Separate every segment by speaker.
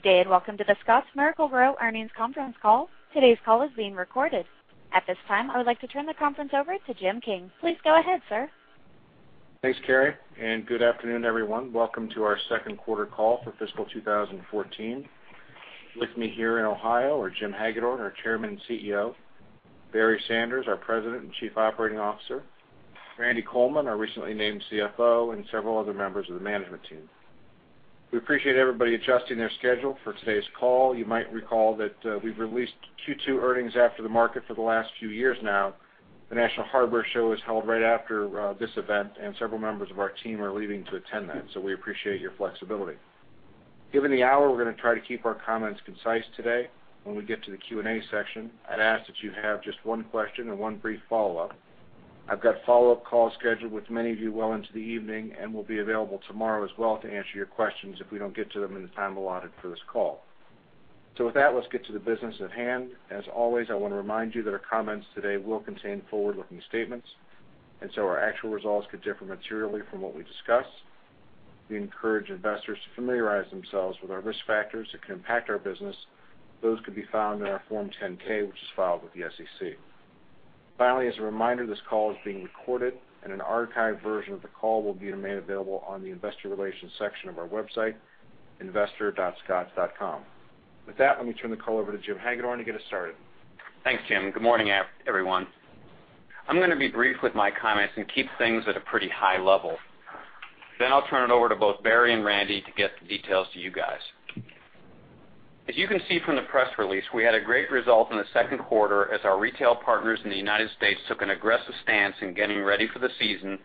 Speaker 1: Good day, and welcome to The Scotts Miracle-Gro earnings conference call. Today's call is being recorded. At this time, I would like to turn the conference over to Jim King. Please go ahead, sir.
Speaker 2: Thanks, Carrie, good afternoon, everyone. Welcome to our second quarter call for fiscal 2014. With me here in Ohio are Jim Hagedorn, our Chairman and CEO, Barry Sanders, our President and Chief Operating Officer, Randy Coleman, our recently named CFO, and several other members of the management team. We appreciate everybody adjusting their schedule for today's call. You might recall that we've released Q2 earnings after the market for the last few years now. The National Hardware Show is held right after this event, several members of our team are leaving to attend that, we appreciate your flexibility. Given the hour, we're going to try to keep our comments concise today. When we get to the Q&A section, I'd ask that you have just one question and one brief follow-up. I've got follow-up calls scheduled with many of you well into the evening and will be available tomorrow as well to answer your questions if we don't get to them in the time allotted for this call. With that, let's get to the business at hand. As always, I want to remind you that our comments today will contain forward-looking statements, our actual results could differ materially from what we discuss. We encourage investors to familiarize themselves with our risk factors that can impact our business. Those could be found in our Form 10-K, which is filed with the SEC. Finally, as a reminder, this call is being recorded an archived version of the call will be made available on the investor relations section of our website, investor.scotts.com. With that, let me turn the call over to Jim Hagedorn to get us started.
Speaker 3: Thanks, Jim. Good morning, everyone. I'm going to be brief with my comments and keep things at a pretty high level. I'll turn it over to both Barry and Randy to get the details to you guys. As you can see from the press release, we had a great result in the second quarter as our retail partners in the United States took an aggressive stance in getting ready for the season,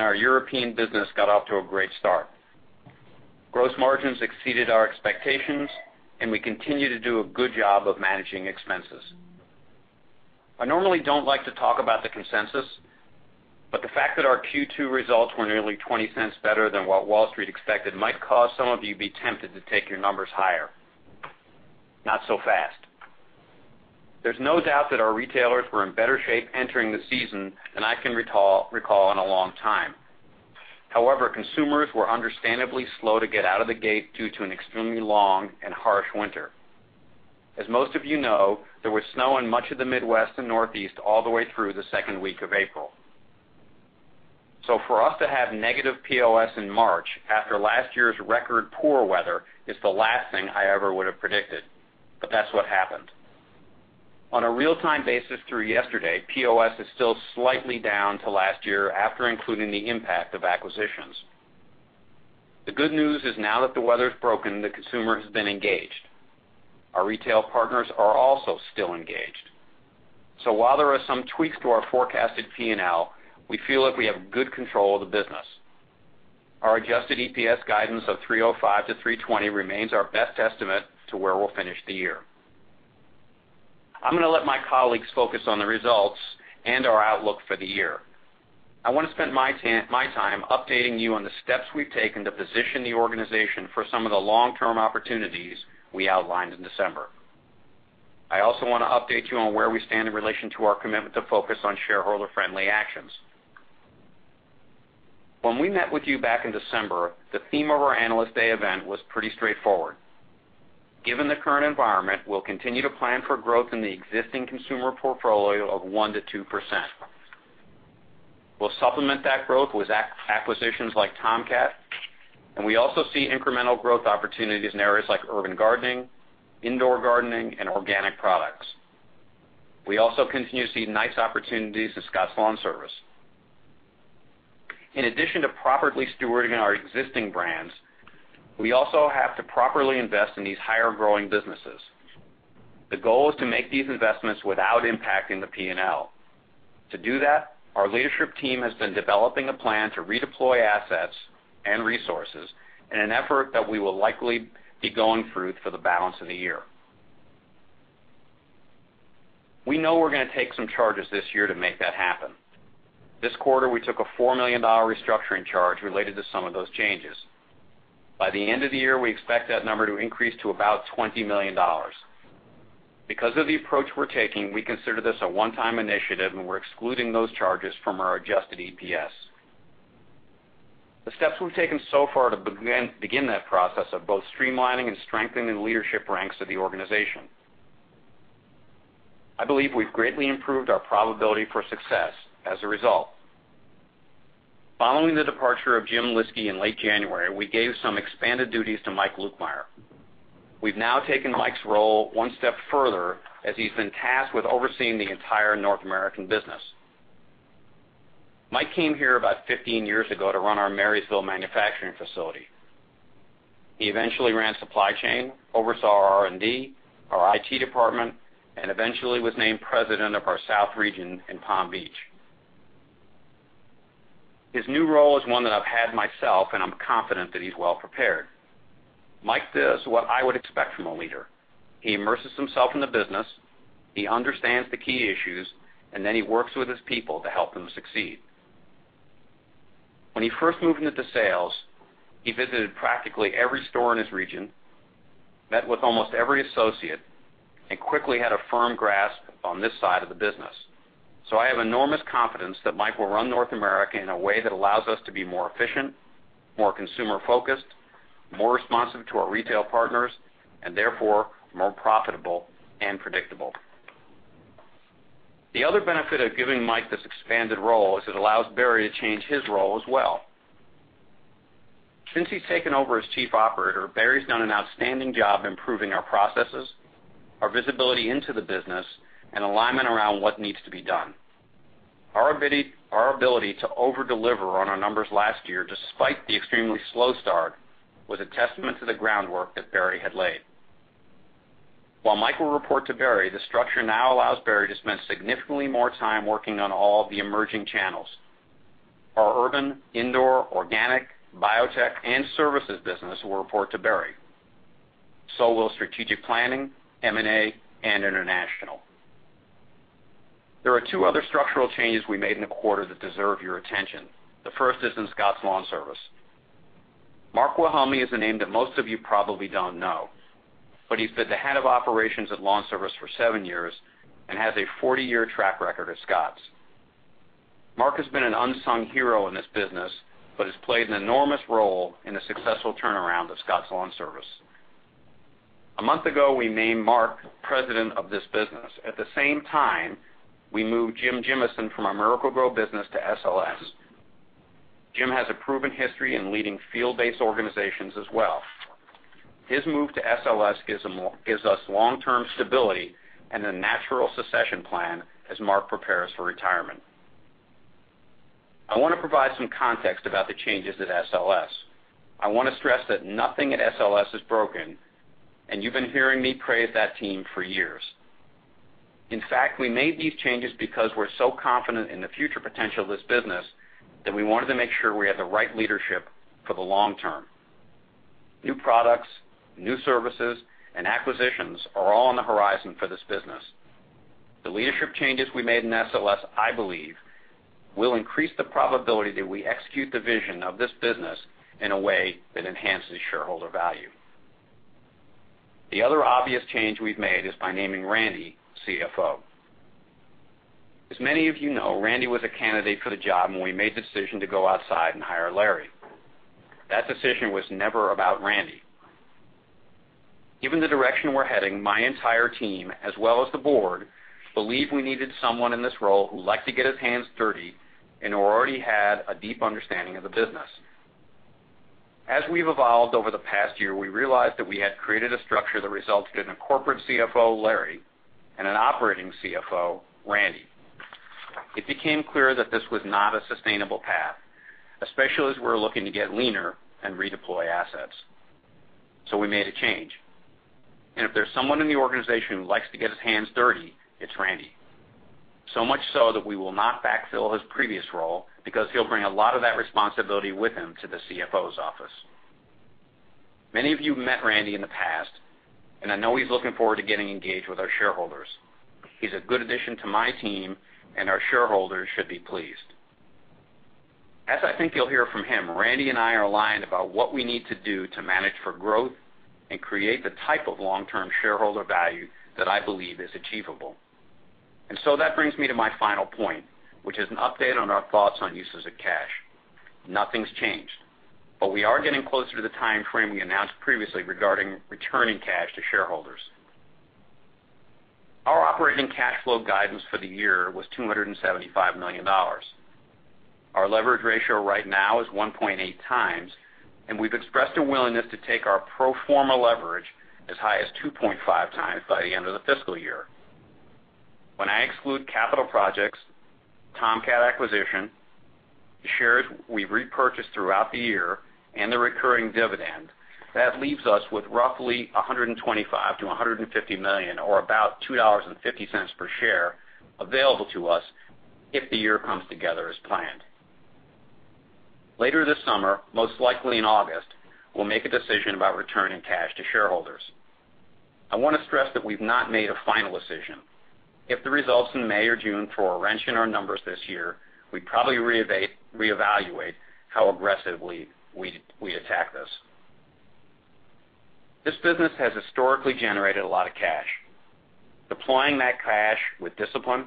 Speaker 3: our European business got off to a great start. Gross margins exceeded our expectations, we continue to do a good job of managing expenses. I normally don't like to talk about the consensus, the fact that our Q2 results were nearly $0.20 better than what Wall Street expected might cause some of you be tempted to take your numbers higher. Not so fast. There's no doubt that our retailers were in better shape entering the season than I can recall in a long time. Consumers were understandably slow to get out of the gate due to an extremely long and harsh winter. There was snow in much of the Midwest and Northeast all the way through the second week of April. For us to have negative POS in March after last year's record poor weather is the last thing I ever would have predicted, but that's what happened. On a real-time basis through yesterday, POS is still slightly down to last year after including the impact of acquisitions. The good news is now that the weather's broken, the consumer has been engaged. Our retail partners are also still engaged. While there are some tweaks to our forecasted P&L, we feel like we have good control of the business. Our adjusted EPS guidance of $3.05 to $3.20 remains our best estimate to where we'll finish the year. I'm going to let my colleagues focus on the results and our outlook for the year. I want to spend my time updating you on the steps we've taken to position the organization for some of the long-term opportunities we outlined in December. I also want to update you on where we stand in relation to our commitment to focus on shareholder-friendly actions. When we met with you back in December, the theme of our Analyst Day event was pretty straightforward. Given the current environment, we'll continue to plan for growth in the existing consumer portfolio of 1% to 2%. We'll supplement that growth with acquisitions like Tomcat. We also see incremental growth opportunities in areas like urban gardening, indoor gardening, and organic products. We also continue to see nice opportunities in Scotts LawnService. In addition to properly stewarding our existing brands, we also have to properly invest in these higher-growing businesses. The goal is to make these investments without impacting the P&L. To do that, our leadership team has been developing a plan to redeploy assets and resources in an effort that we will likely be going through for the balance of the year. We know we're going to take some charges this year to make that happen. This quarter, we took a $4 million restructuring charge related to some of those changes. By the end of the year, we expect that number to increase to about $20 million. Because of the approach we're taking, we consider this a one-time initiative, and we're excluding those charges from our adjusted EPS. The steps we've taken so far to begin that process are both streamlining and strengthening the leadership ranks of the organization. I believe we've greatly improved our probability for success as a result. Following the departure of Jim Lyski in late January, we gave some expanded duties to Mike Lukemire. We've now taken Mike's role one step further, as he's been tasked with overseeing the entire North American business. Mike came here about 15 years ago to run our Marysville manufacturing facility. He eventually ran supply chain, oversaw our R&D, our IT department, and eventually was named president of our South region in Palm Beach. His new role is one that I've had myself, and I'm confident that he's well-prepared. Mike does what I would expect from a leader. He immerses himself in the business, he understands the key issues, and then he works with his people to help them succeed. When he first moved into sales, he visited practically every store in his region, met with almost every associate, and quickly had a firm grasp on this side of the business. I have enormous confidence that Mike will run North America in a way that allows us to be more efficient, more consumer focused, more responsive to our retail partners, and therefore, more profitable and predictable. The other benefit of giving Mike this expanded role is it allows Barry to change his role as well. Since he's taken over as Chief Operating Officer, Barry's done an outstanding job improving our processes, our visibility into the business, and alignment around what needs to be done. Our ability to over-deliver on our numbers last year, despite the extremely slow start, was a testament to the groundwork that Barry had laid. While Mike will report to Barry, the structure now allows Barry to spend significantly more time working on all of the emerging channels. Our urban, indoor, organic, biotech, and services business will report to Barry, so will strategic planning, M&A, and international. There are two other structural changes we made in the quarter that deserve your attention. The first is in Scotts LawnService. Mark Wilhelmi is a name that most of you probably don't know, but he's been the head of operations at LawnService for seven years and has a 40-year track record at Scotts. Mark has been an unsung hero in this business, but has played an enormous role in the successful turnaround of Scotts LawnService. A month ago, we named Mark President of this business. At the same time, we moved Jim Gimeson from our Miracle-Gro business to SLS. Jim has a proven history in leading field-based organizations as well. His move to SLS gives us long-term stability and a natural succession plan as Mark prepares for retirement. I want to provide some context about the changes at SLS. I want to stress that nothing at SLS is broken, and you've been hearing me praise that team for years. In fact, we made these changes because we're so confident in the future potential of this business that we wanted to make sure we had the right leadership for the long term. New products, new services, and acquisitions are all on the horizon for this business. The leadership changes we made in SLS, I believe, will increase the probability that we execute the vision of this business in a way that enhances shareholder value. The other obvious change we've made is by naming Randy CFO. As many of you know, Randy was a candidate for the job when we made the decision to go outside and hire Larry. That decision was never about Randy. Given the direction we're heading, my entire team, as well as the board, believe we needed someone in this role who liked to get his hands dirty and who already had a deep understanding of the business. As we've evolved over the past year, we realized that we had created a structure that resulted in a Corporate CFO, Larry, and an Operating CFO, Randy. It became clear that this was not a sustainable path, especially as we're looking to get leaner and redeploy assets. We made a change, and if there's someone in the organization who likes to get his hands dirty, it's Randy. So much so that we will not backfill his previous role because he'll bring a lot of that responsibility with him to the CFO's office. Many of you met Randy in the past, and I know he's looking forward to getting engaged with our shareholders. He's a good addition to my team, and our shareholders should be pleased. As I think you'll hear from him, Randy and I are aligned about what we need to do to manage for growth and create the type of long-term shareholder value that I believe is achievable. That brings me to my final point, which is an update on our thoughts on uses of cash. Nothing's changed, but we are getting closer to the timeframe we announced previously regarding returning cash to shareholders. Our operating cash flow guidance for the year was $275 million. Our leverage ratio right now is 1.8 times, and we've expressed a willingness to take our pro forma leverage as high as 2.5 times by the end of the fiscal year. When I exclude capital projects, Tomcat acquisition, shares we've repurchased throughout the year, and the recurring dividend, that leaves us with roughly $125 million-$150 million, or about $2.50 per share available to us if the year comes together as planned. Later this summer, most likely in August, we'll make a decision about returning cash to shareholders. I want to stress that we've not made a final decision. If the results in May or June throw a wrench in our numbers this year, we'd probably reevaluate how aggressively we attack this. This business has historically generated a lot of cash. Deploying that cash with discipline,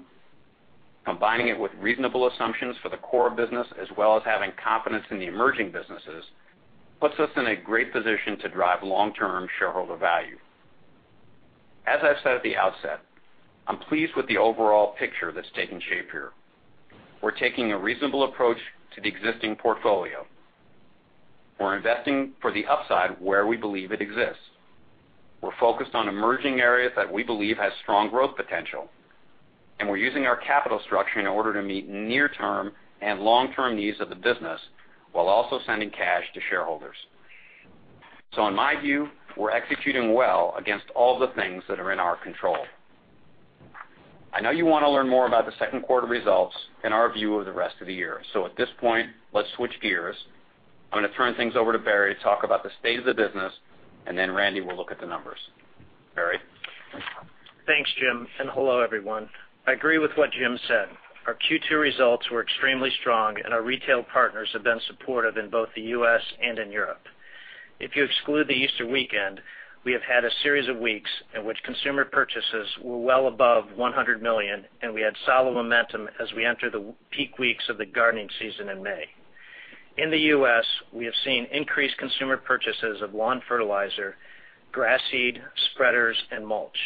Speaker 3: combining it with reasonable assumptions for the core business as well as having confidence in the emerging businesses, puts us in a great position to drive long-term shareholder value. As I've said at the outset, I'm pleased with the overall picture that's taking shape here. We're taking a reasonable approach to the existing portfolio. We're investing for the upside where we believe it exists. We're focused on emerging areas that we believe have strong growth potential, and we're using our capital structure in order to meet near-term and long-term needs of the business while also sending cash to shareholders. In my view, we're executing well against all the things that are in our control. I know you want to learn more about the second quarter results and our view of the rest of the year. At this point, let's switch gears. I'm going to turn things over to Barry to talk about the state of the business, and then Randy will look at the numbers. Barry?
Speaker 4: Thanks, Jim, and hello, everyone. I agree with what Jim said. Our Q2 results were extremely strong and our retail partners have been supportive in both the U.S. and in Europe. If you exclude the Easter weekend, we have had a series of weeks in which consumer purchases were well above $100 million, and we had solid momentum as we enter the peak weeks of the gardening season in May. In the U.S., we have seen increased consumer purchases of lawn fertilizer, grass seed, spreaders, and mulch.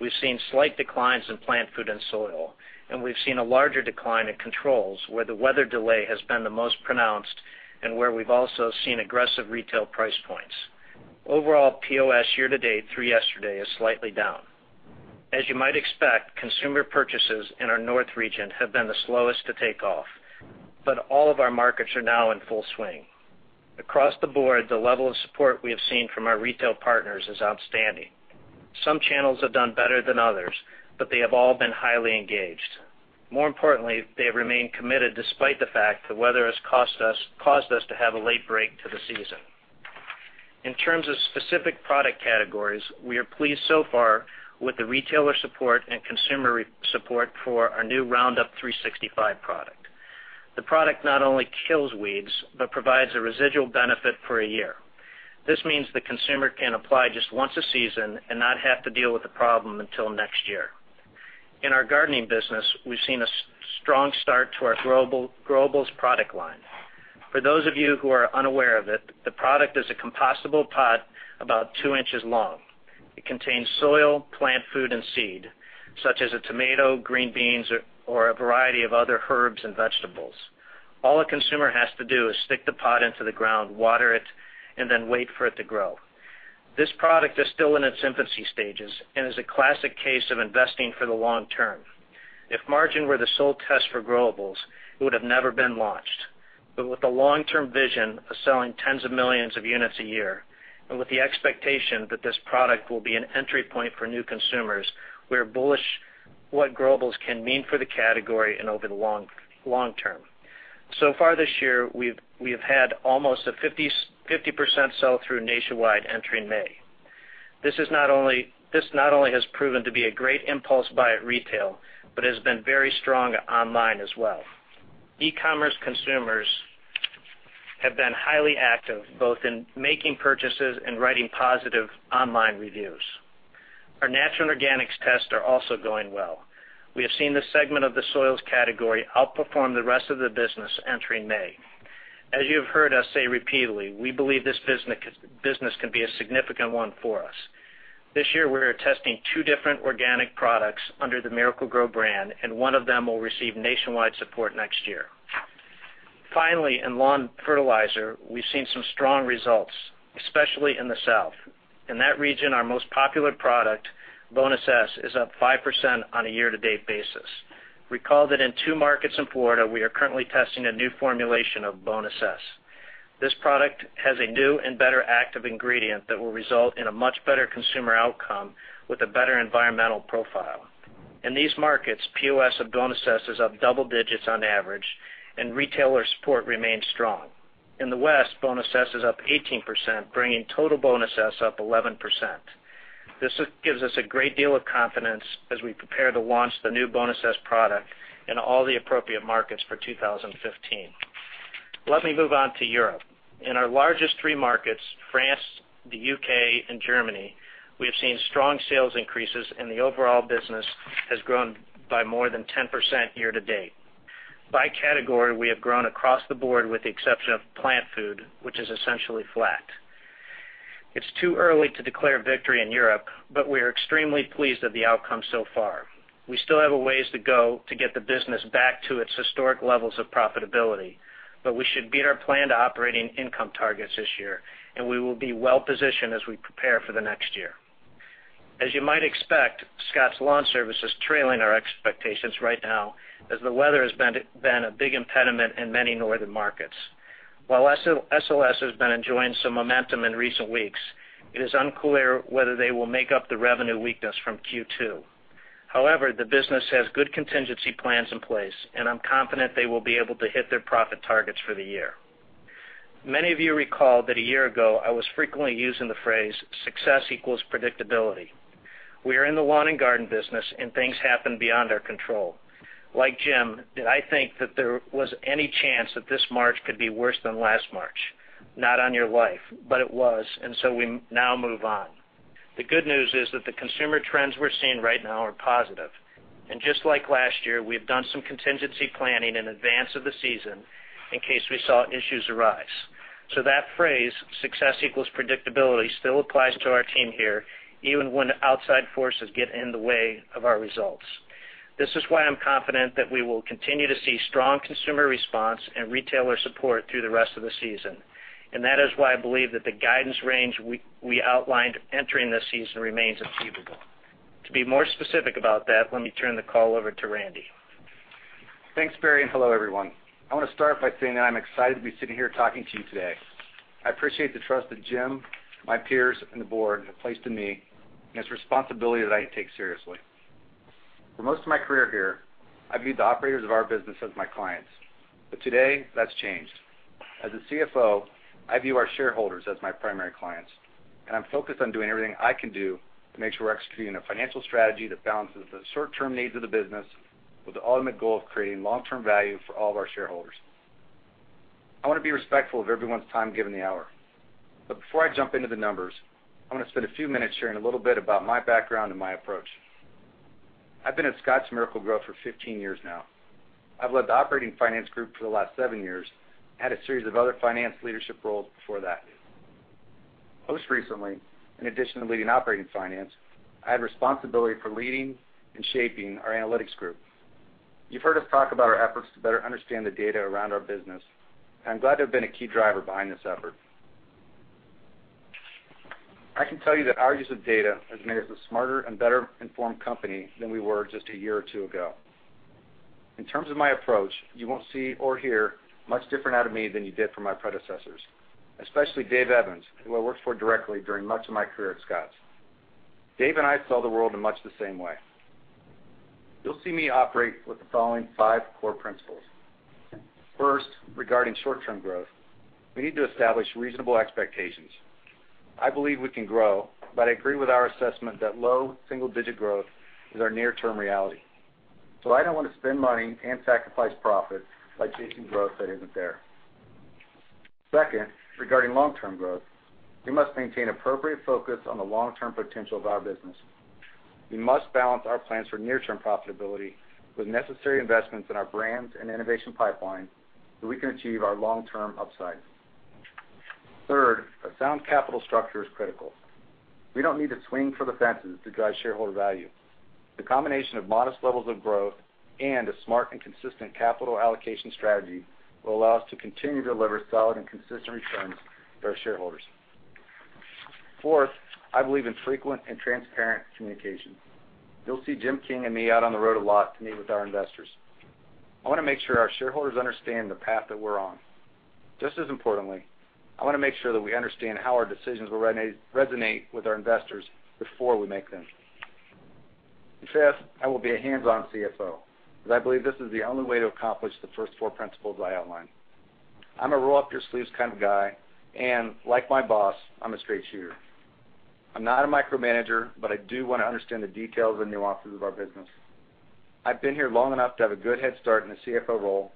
Speaker 4: We've seen slight declines in plant food and soil, and we've seen a larger decline in controls, where the weather delay has been the most pronounced, and where we've also seen aggressive retail price points. Overall, POS year-to-date through yesterday is slightly down. As you might expect, consumer purchases in our north region have been the slowest to take off, but all of our markets are now in full swing. Across the board, the level of support we have seen from our retail partners is outstanding. Some channels have done better than others, but they have all been highly engaged. More importantly, they have remained committed despite the fact the weather has caused us to have a late break to the season. In terms of specific product categories, we are pleased so far with the retailer support and consumer support for our new Roundup 365 product. The product not only kills weeds but provides a residual benefit for a year. This means the consumer can apply just once a season and not have to deal with the problem until next year. In our gardening business, we've seen a strong start to our Gro-ables product line. For those of you who are unaware of it, the product is a compostable pot about two inches long. It contains soil, plant food, and seed, such as a tomato, green beans, or a variety of other herbs and vegetables. All a consumer has to do is stick the pot into the ground, water it, and then wait for it to grow. This product is still in its infancy stages and is a classic case of investing for the long term. If margin were the sole test for Gro-ables, it would have never been launched. With the long-term vision of selling tens of millions of units a year, and with the expectation that this product will be an entry point for new consumers, we are bullish what Gro-ables can mean for the category and over the long term. So far this year, we have had almost a 50% sell-through nationwide entering May. This not only has proven to be a great impulse buy at retail, but has been very strong online as well. E-commerce consumers have been highly active, both in making purchases and writing positive online reviews. Our natural organics tests are also going well. We have seen this segment of the soils category outperform the rest of the business entering May. As you have heard us say repeatedly, we believe this business can be a significant one for us. This year, we are testing two different organic products under the Miracle-Gro brand, and one of them will receive nationwide support next year. Finally, in lawn fertilizer, we've seen some strong results, especially in the South. In that region, our most popular product, Bonus S, is up 5% on a year-to-date basis. Recall that in two markets in Florida, we are currently testing a new formulation of Bonus S. This product has a new and better active ingredient that will result in a much better consumer outcome with a better environmental profile. In these markets, POS of Bonus S is up double digits on average, and retailer support remains strong. In the West, Bonus S is up 18%, bringing total Bonus S up 11%. This gives us a great deal of confidence as we prepare to launch the new Bonus S product in all the appropriate markets for 2015. Let me move on to Europe. In our largest three markets, France, the U.K., and Germany, we have seen strong sales increases, and the overall business has grown by more than 10% year-to-date. By category, we have grown across the board with the exception of plant food, which is essentially flat. It's too early to declare victory in Europe, but we are extremely pleased at the outcome so far. We still have a ways to go to get the business back to its historic levels of profitability, but we should beat our planned operating income targets this year, and we will be well positioned as we prepare for the next year. As you might expect, Scotts LawnService is trailing our expectations right now, as the weather has been a big impediment in many northern markets. While SLS has been enjoying some momentum in recent weeks, it is unclear whether they will make up the revenue weakness from Q2. However, the business has good contingency plans in place, and I'm confident they will be able to hit their profit targets for the year. Many of you recall that a year ago, I was frequently using the phrase, "Success equals predictability." We are in the lawn and garden business, and things happen beyond our control. Like Jim, did I think that there was any chance that this March could be worse than last March? Not on your life. But it was, and we now move on. The good news is that the consumer trends we're seeing right now are positive. And just like last year, we have done some contingency planning in advance of the season in case we saw issues arise. That phrase, success equals predictability, still applies to our team here, even when outside forces get in the way of our results. This is why I'm confident that we will continue to see strong consumer response and retailer support through the rest of the season. And that is why I believe that the guidance range we outlined entering this season remains achievable. To be more specific about that, let me turn the call over to Randy.
Speaker 5: Thanks, Barry, and hello, everyone. I want to start by saying that I'm excited to be sitting here talking to you today. I appreciate the trust that Jim, my peers, and the board have placed in me, and it's a responsibility that I take seriously. For most of my career here, I viewed the operators of our business as my clients, but today that's changed. As a CFO, I view our shareholders as my primary clients, and I'm focused on doing everything I can do to make sure we're executing a financial strategy that balances the short-term needs of the business with the ultimate goal of creating long-term value for all of our shareholders. I want to be respectful of everyone's time, given the hour. Before I jump into the numbers, I want to spend a few minutes sharing a little bit about my background and my approach. I've been at The Scotts Miracle-Gro Company for 15 years now. I've led the operating finance group for the last seven years, had a series of other finance leadership roles before that. Most recently, in addition to leading operating finance, I had responsibility for leading and shaping our analytics group. You've heard us talk about our efforts to better understand the data around our business, and I'm glad to have been a key driver behind this effort. I can tell you that our use of data has made us a smarter and better-informed company than we were just a year or two ago. In terms of my approach, you won't see or hear much different out of me than you did from my predecessors, especially Dave Evans, who I worked for directly during much of my career at Scotts. Dave and I saw the world in much the same way. You'll see me operate with the following five core principles. First, regarding short-term growth, we need to establish reasonable expectations. I believe we can grow, but I agree with our assessment that low single-digit growth is our near-term reality. I don't want to spend money and sacrifice profit by chasing growth that isn't there. Second, regarding long-term growth, we must maintain appropriate focus on the long-term potential of our business. We must balance our plans for near-term profitability with necessary investments in our brands and innovation pipeline so we can achieve our long-term upside. Third, a sound capital structure is critical. We don't need to swing for the fences to drive shareholder value. The combination of modest levels of growth and a smart and consistent capital allocation strategy will allow us to continue to deliver solid and consistent returns to our shareholders. Fourth, I believe in frequent and transparent communication. You'll see Jim King and me out on the road a lot to meet with our investors. I want to make sure our shareholders understand the path that we're on. Just as importantly, I want to make sure that we understand how our decisions will resonate with our investors before we make them. Fifth, I will be a hands-on CFO, because I believe this is the only way to accomplish the first four principles I outlined. I'm a roll-up-your-sleeves kind of guy, and like my boss, I'm a straight shooter. I'm not a micromanager, but I do want to understand the details and nuances of our business. I've been here long enough to have a good head start in the CFO role,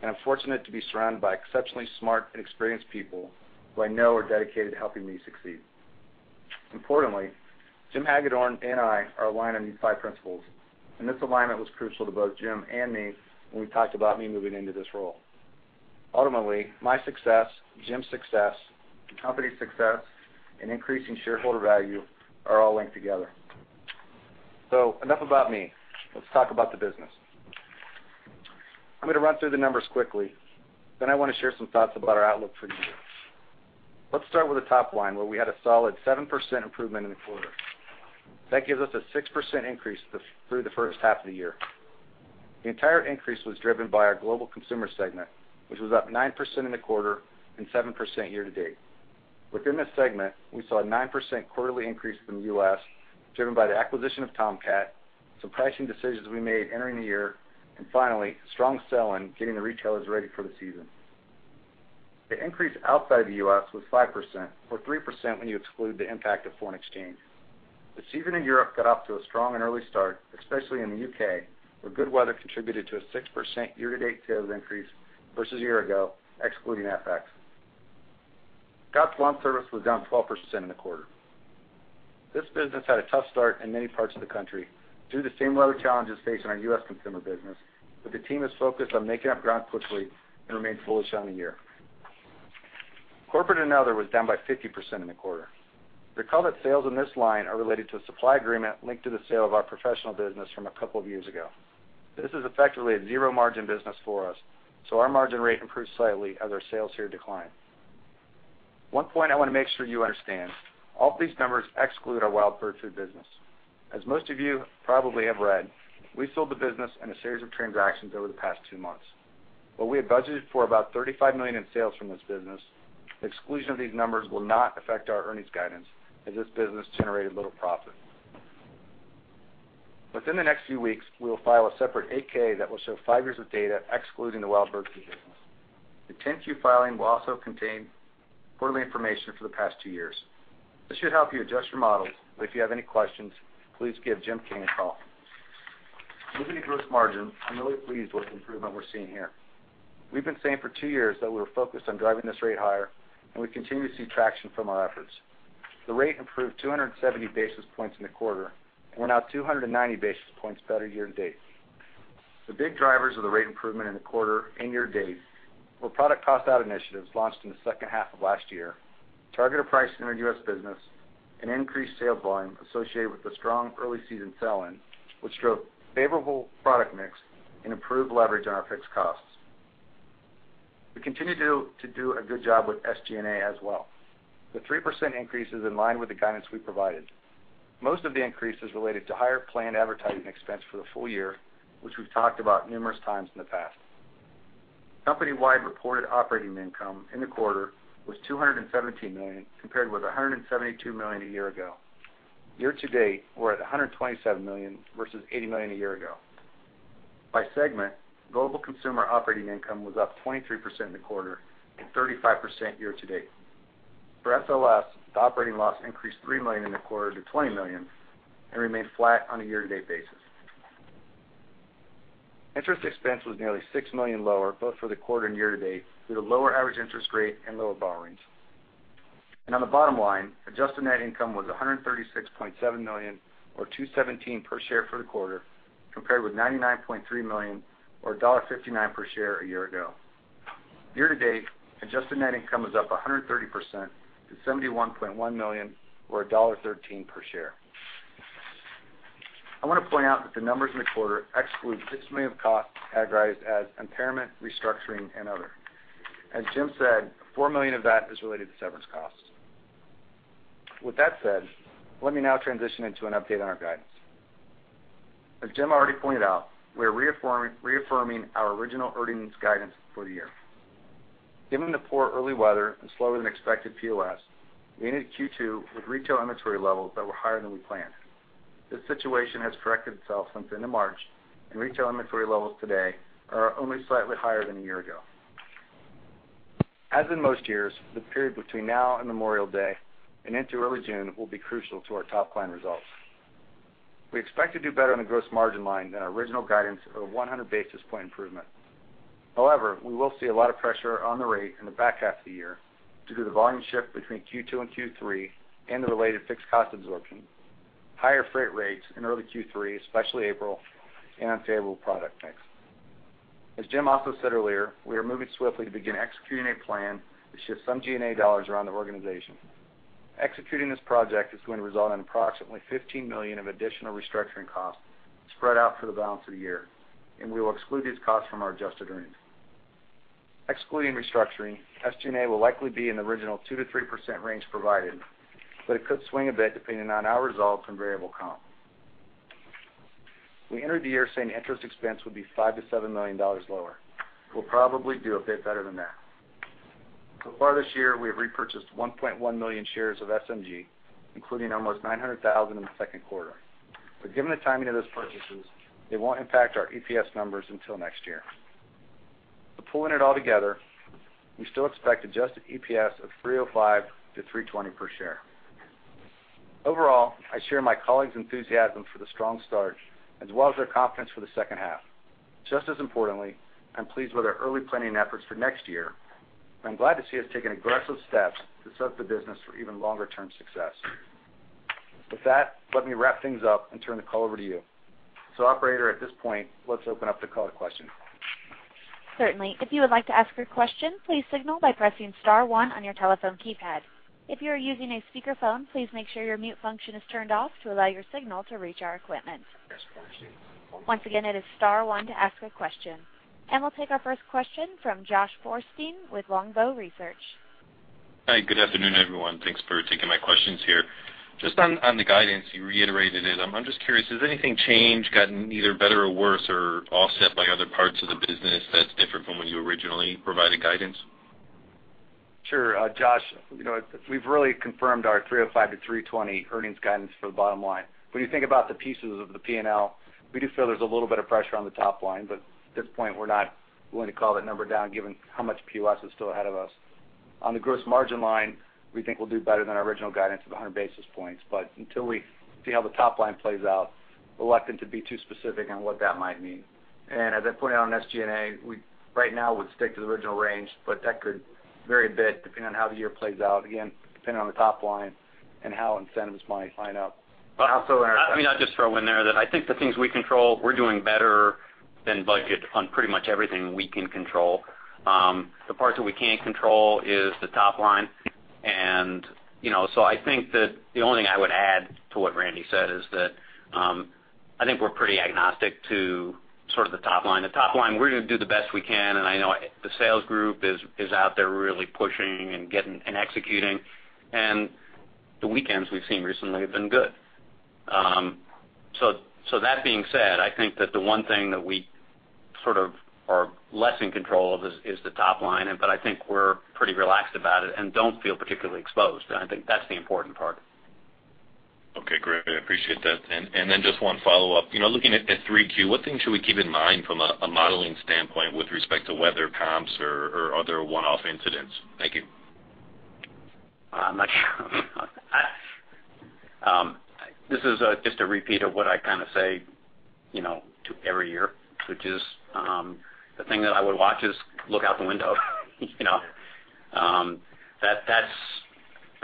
Speaker 5: and I'm fortunate to be surrounded by exceptionally smart and experienced people who I know are dedicated to helping me succeed. Importantly, Jim Hagedorn and I are aligned on these five principles, and this alignment was crucial to both Jim and me when we talked about me moving into this role. Ultimately, my success, Jim's success, the company's success, and increasing shareholder value are all linked together. Enough about me. Let's talk about the business. I'm going to run through the numbers quickly, then I want to share some thoughts about our outlook for the year. Let's start with the top line, where we had a solid 7% improvement in the quarter. That gives us a 6% increase through the first half of the year. The entire increase was driven by our global consumer segment, which was up 9% in the quarter and 7% year-to-date. Within this segment, we saw a 9% quarterly increase from the U.S., driven by the acquisition of Tomcat, some pricing decisions we made entering the year, and finally, strong sell-in getting the retailers ready for the season. The increase outside the U.S. was 5%, or 3% when you exclude the impact of foreign exchange. The season in Europe got off to a strong and early start, especially in the U.K., where good weather contributed to a 6% year-to-date sales increase versus a year ago, excluding FX. Scotts LawnService was down 12% in the quarter. This business had a tough start in many parts of the country due to the same weather challenges faced in our U.S. consumer business, the team is focused on making up ground quickly and remain bullish on the year. Corporate and other was down by 50% in the quarter. Recall that sales in this line are related to a supply agreement linked to the sale of our professional business from a couple of years ago. This is effectively a zero-margin business for us, our margin rate improved slightly as our sales here decline. One point I want to make sure you understand, all of these numbers exclude our Wild Bird Food business. As most of you probably have read, we sold the business in a series of transactions over the past two months. While we had budgeted for about $35 million in sales from this business, exclusion of these numbers will not affect our earnings guidance, as this business generated little profit. Within the next few weeks, we will file a separate 8-K that will show five years of data excluding the Wild Bird Food business. The 10-Q filing will also contain quarterly information for the past two years. This should help you adjust your models, if you have any questions, please give Jim King a call. Moving to gross margin, I'm really pleased with the improvement we're seeing here. We've been saying for two years that we're focused on driving this rate higher, we continue to see traction from our efforts. The rate improved 270 basis points in the quarter, and we're now 290 basis points better year-to-date. The big drivers of the rate improvement in the quarter and year-to-date were product cost-out initiatives launched in the second half of last year, targeted pricing in our U.S. business, and increased sale volume associated with the strong early-season sell-in, which drove favorable product mix and improved leverage on our fixed costs. We continue to do a good job with SG&A as well. The 3% increase is in line with the guidance we provided. Most of the increase is related to higher planned advertising expense for the full year, which we've talked about numerous times in the past. Company-wide reported operating income in the quarter was $217 million, compared with $172 million a year ago. Year-to-date, we're at $127 million versus $80 million a year ago. By segment, global consumer operating income was up 23% in the quarter and 35% year-to-date. For SLS, the operating loss increased $3 million in the quarter to $20 million and remained flat on a year-to-date basis. On the bottom line, adjusted net income was $136.7 million, or $2.17 per share for the quarter, compared with $99.3 million or $1.59 per share a year ago. Year-to-date, adjusted net income is up 130% to $71.1 million, or $1.13 per share. I want to point out that the numbers in the quarter exclude $6 million of costs categorized as impairment, restructuring, and other. As Jim said, $4 million of that is related to severance costs. That said, let me now transition into an update on our guidance. As Jim already pointed out, we are reaffirming our original earnings guidance for the year. Given the poor early weather and slower-than-expected POS, we ended Q2 with retail inventory levels that were higher than we planned. This situation has corrected itself since the end of March, and retail inventory levels today are only slightly higher than a year ago. As in most years, the period between now and Memorial Day and into early June will be crucial to our top-line results. We expect to do better on the gross margin line than our original guidance of a 100-basis point improvement. We will see a lot of pressure on the rate in the back half of the year due to the volume shift between Q2 and Q3 and the related fixed cost absorption, higher freight rates in early Q3, especially April, and unfavorable product mix. As Jim also said earlier, we are moving swiftly to begin executing a plan to shift some G&A dollars around the organization. Executing this project is going to result in approximately $15 million of additional restructuring costs spread out for the balance of the year. We will exclude these costs from our adjusted earnings. Excluding restructuring, SG&A will likely be in the original 2%-3% range provided, but it could swing a bit depending on our results and variable comp. We entered the year saying interest expense would be $5 million-$7 million lower. We'll probably do a bit better than that. So far this year, we have repurchased 1.1 million shares of SMG, including almost 900,000 in the second quarter. Given the timing of those purchases, they won't impact our EPS numbers until next year. Pulling it all together, we still expect adjusted EPS of $3.05-$3.20 per share. Overall, I share my colleagues' enthusiasm for the strong start, as well as their confidence for the second half. Just as importantly, I'm pleased with our early planning efforts for next year. I'm glad to see us taking aggressive steps to set up the business for even longer-term success. With that, let me wrap things up and turn the call over to you. Operator, at this point, let's open up the call to questions.
Speaker 1: Certainly. If you would like to ask your question, please signal by pressing *1 on your telephone keypad. If you are using a speakerphone, please make sure your mute function is turned off to allow your signal to reach our equipment. Once again, it is *1 to ask a question. We'll take our first question from Joshua Borstein with Longbow Research.
Speaker 6: Hi, good afternoon, everyone. Thanks for taking my questions here. Just on the guidance, you reiterated it. I'm just curious, has anything changed, gotten either better or worse, or offset by other parts of the business that's different from when you originally provided guidance?
Speaker 5: Sure. Josh, we've really confirmed our $3.05-$3.20 earnings guidance for the bottom line. When you think about the pieces of the P&L, we do feel there's a little bit of pressure on the top line, but at this point, we're not willing to call that number down given how much POS is still ahead of us. On the gross margin line, we think we'll do better than our original guidance of 100 basis points, but until we see how the top line plays out, reluctant to be too specific on what that might mean. As I pointed out on SG&A, we right now would stick to the original range, but that could vary a bit depending on how the year plays out, again, depending on the top line and how incentives might line up.
Speaker 3: I'll just throw in there that I think the things we control, we're doing better than budget on pretty much everything we can control. The parts that we can't control is the top line. I think that the only thing I would add to what Randy said is that I think we're pretty agnostic to sort of the top line. The top line, we're going to do the best we can, and I know the sales group is out there really pushing and executing. The weekends we've seen recently have been good. That being said, I think that the one thing that we sort of are less in control of is the top line, but I think we're pretty relaxed about it and don't feel particularly exposed. I think that's the important part.
Speaker 6: Okay, great. I appreciate that. Just one follow-up. Looking at 3Q, what things should we keep in mind from a modeling standpoint with respect to weather comps or other one-off incidents? Thank you.
Speaker 3: This is just a repeat of what I kind of say every year, which is the thing that I would watch is look out the window.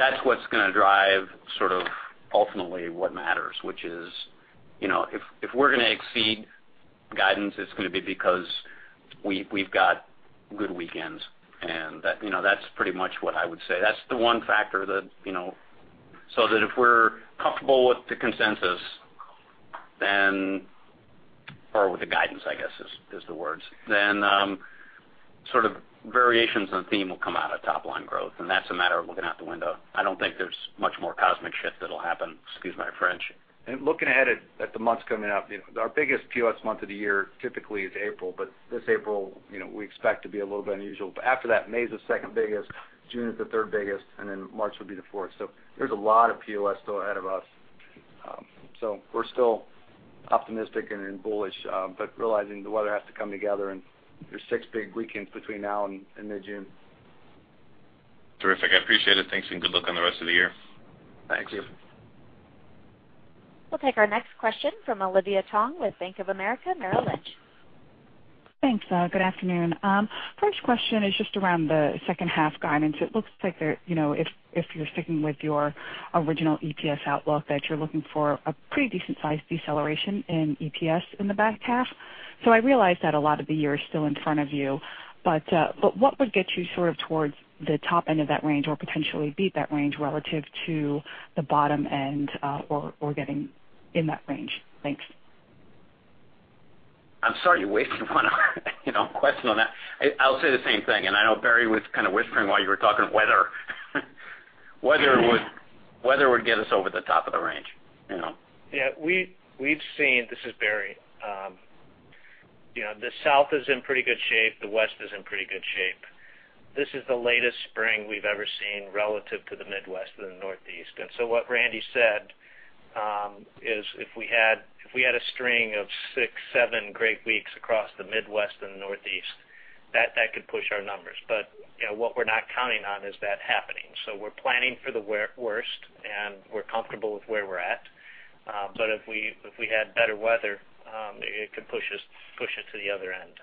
Speaker 3: That's what's going to drive sort of ultimately what matters. Which is, if we're going to exceed guidance, it's going to be because we've got good weekends, and that's pretty much what I would say. That's the one factor. If we're comfortable with the consensus, or with the guidance, I guess is the word, then sort of variations on theme will come out of top-line growth, and that's a matter of looking out the window. I don't think there's much more cosmic shift that'll happen. Excuse my French.
Speaker 5: Looking ahead at the months coming up, our biggest POS month of the year typically is April, but this April we expect to be a little bit unusual. After that, May is the second biggest, June is the third biggest, then March would be the fourth. There's a lot of POS still ahead of us.
Speaker 4: We're still optimistic and bullish, but realizing the weather has to come together, and there's six big weekends between now and mid-June.
Speaker 6: Terrific. I appreciate it. Thanks, and good luck on the rest of the year.
Speaker 2: Thank you.
Speaker 1: We'll take our next question from Olivia Tong with Bank of America Merrill Lynch.
Speaker 7: Thanks. Good afternoon. First question is just around the second half guidance. It looks like if you're sticking with your original EPS outlook, that you're looking for a pretty decent-sized deceleration in EPS in the back half. I realize that a lot of the year is still in front of you, what would get you sort of towards the top end of that range or potentially beat that range relative to the bottom end or getting in that range? Thanks.
Speaker 3: I'm sorry you wasted one question on that. I'll say the same thing, I know Barry was kind of whispering while you were talking, weather. Weather would get us over the top of the range.
Speaker 4: Yeah. This is Barry. The South is in pretty good shape. The West is in pretty good shape. This is the latest spring we've ever seen relative to the Midwest and the Northeast. What Randy said, is if we had a string of six, seven great weeks across the Midwest and the Northeast, that could push our numbers. What we're not counting on is that happening. We're planning for the worst, we're comfortable with where we're at. If we had better weather, it could push it to the other end.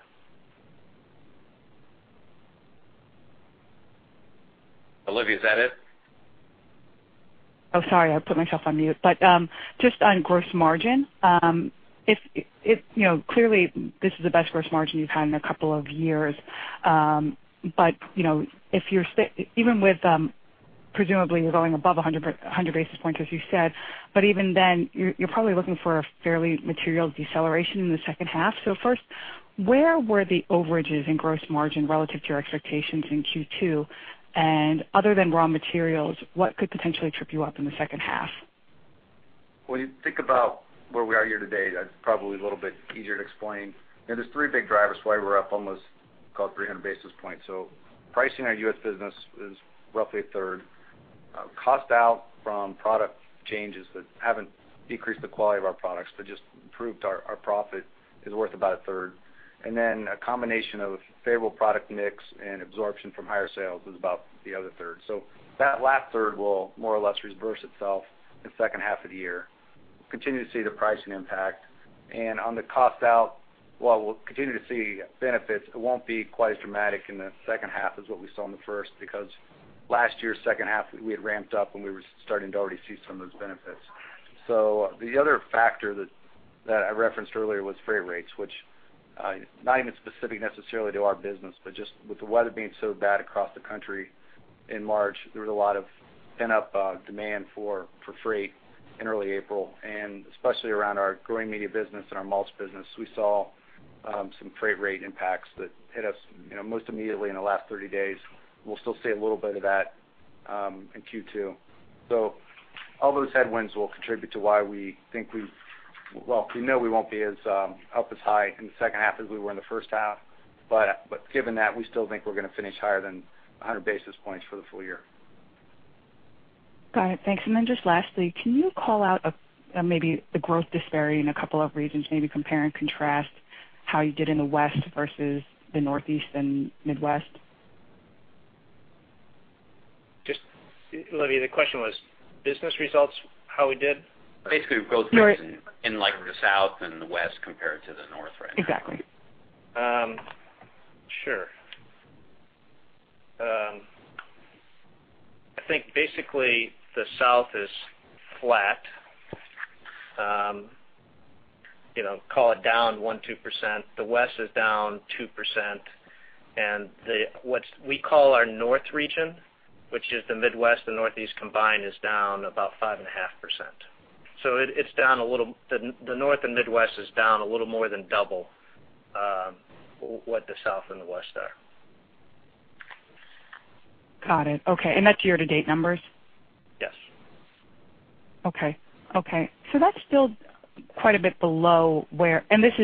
Speaker 3: Olivia, is that it?
Speaker 7: Oh, sorry, I put myself on mute. Just on gross margin, clearly this is the best gross margin you've had in a couple of years. Even with, presumably, you're going above 100 basis points, as you said, even then, you're probably looking for a fairly material deceleration in the second half. First, where were the overages in gross margin relative to your expectations in Q2? Other than raw materials, what could potentially trip you up in the second half?
Speaker 5: When you think about where we are here today, that's probably a little bit easier to explain. There's three big drivers why we're up almost call it 300 basis points. Pricing our U.S. business is roughly a third. Cost out from product changes that haven't decreased the quality of our products but just improved our profit is worth about a third. A combination of favorable product mix and absorption from higher sales is about the other third. That last third will more or less reverse itself in the second half of the year. Continue to see the pricing impact. On the cost out, while we'll continue to see benefits, it won't be quite as dramatic in the second half as what we saw in the first, because last year's second half, we had ramped up when we were starting to already see some of those benefits. The other factor that I referenced earlier was freight rates, which not even specific necessarily to our business, but just with the weather being so bad across the country in March, there was a lot of pent-up demand for freight in early April, and especially around our growing media business and our mulch business. We saw some freight rate impacts that hit us most immediately in the last 30 days. We'll still see a little bit of that in Q2. All those headwinds will contribute to why we think we, well, we know we won't be as up as high in the second half as we were in the first half. Given that, we still think we're going to finish higher than 100 basis points for the full year.
Speaker 7: Got it. Thanks. Just lastly, can you call out maybe the growth disparity in a couple of regions? Maybe compare and contrast how you did in the West versus the Northeast and Midwest.
Speaker 4: Olivia, the question was business results, how we did?
Speaker 3: Basically, growth rates in the South and the West compared to the North right now.
Speaker 7: Exactly.
Speaker 4: Sure. I think basically the South is flat. Call it down 1%, 2%. The West is down 2%. What we call our North region, which is the Midwest and Northeast combined, is down about 5.5%. The North and Midwest is down a little more than double what the South and the West are.
Speaker 7: Got it. Okay. That's year-to-date numbers?
Speaker 4: Yes.
Speaker 7: Okay. That's still quite a bit below this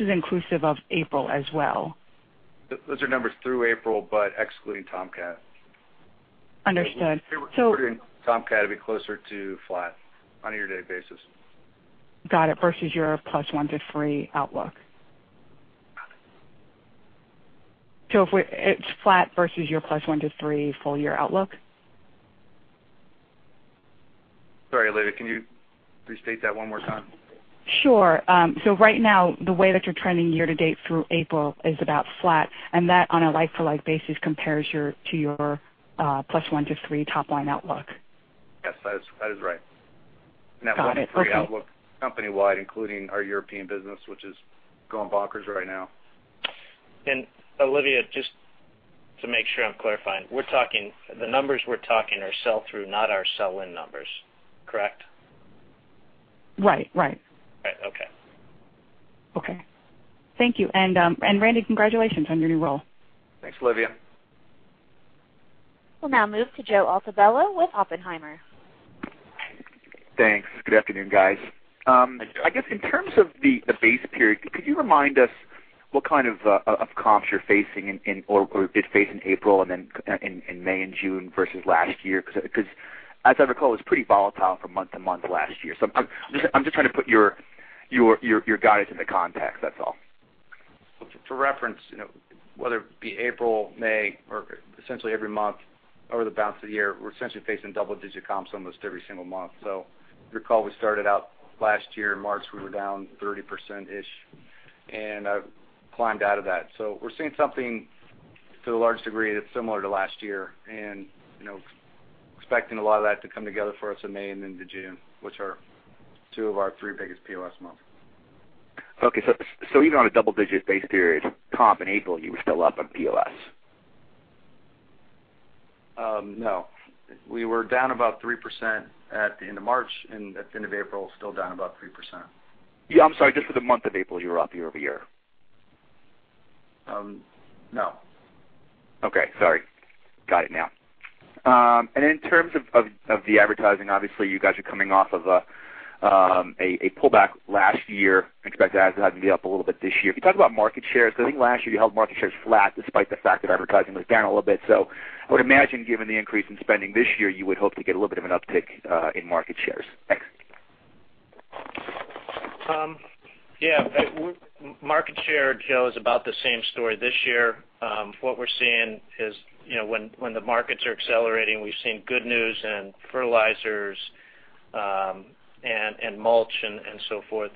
Speaker 7: is inclusive of April as well?
Speaker 4: Those are numbers through April, excluding Tomcat.
Speaker 7: Understood.
Speaker 4: We're considering Tomcat to be closer to flat on a year-to-date basis.
Speaker 7: Got it. Versus your plus one to three outlook.
Speaker 4: Got it. It's flat versus your plus one to three full-year outlook? Sorry, Olivia, can you restate that one more time?
Speaker 7: Sure. Right now, the way that you're trending year-to-date through April is about flat. That on a like-for-like basis compares to your plus one to three top-line outlook.
Speaker 4: Yes, that is right.
Speaker 7: Got it. Okay.
Speaker 4: That one to three outlook is company-wide, including our European business, which is going bonkers right now. Olivia, just to make sure I'm clarifying. The numbers we're talking are sell-through, not our sell-in numbers. Correct? Right. Right. Okay.
Speaker 7: Okay. Thank you. Randy, congratulations on your new role.
Speaker 3: Thanks, Olivia.
Speaker 1: We'll now move to Joe Altobello with Oppenheimer.
Speaker 8: Thanks. Good afternoon, guys. I guess in terms of the base period, could you remind us what kind of comps you're facing or did face in April and then in May and June versus last year? As I recall, it was pretty volatile from month to month last year. I'm just trying to put your guidance into context, that's all.
Speaker 5: To reference, whether it be April, May, or essentially every month over the balance of the year, we're essentially facing double-digit comps almost every single month. If you recall, we started out last year in March, we were down 30%-ish and climbed out of that. We're seeing something to a large degree that's similar to last year and expecting a lot of that to come together for us in May and into June, which are two of our three biggest POS months.
Speaker 8: Okay. Even on a double-digit base period comp in April, you were still up on POS.
Speaker 5: No. We were down about 3% at the end of March, and at the end of April, still down about 3%.
Speaker 8: Yeah, I'm sorry. Just for the month of April, you were up year-over-year.
Speaker 5: No.
Speaker 8: Okay. Sorry. Got it now. In terms of the advertising, obviously you guys are coming off of a pullback last year. I expect the advertising to be up a little bit this year. Can you talk about market shares? I think last year you held market shares flat despite the fact that advertising was down a little bit. I would imagine, given the increase in spending this year, you would hope to get a little bit of an uptick in market shares. Thanks.
Speaker 4: Yeah. Market share, Joe, is about the same story this year. What we're seeing is when the markets are accelerating, we've seen good news in fertilizers and mulch and so forth.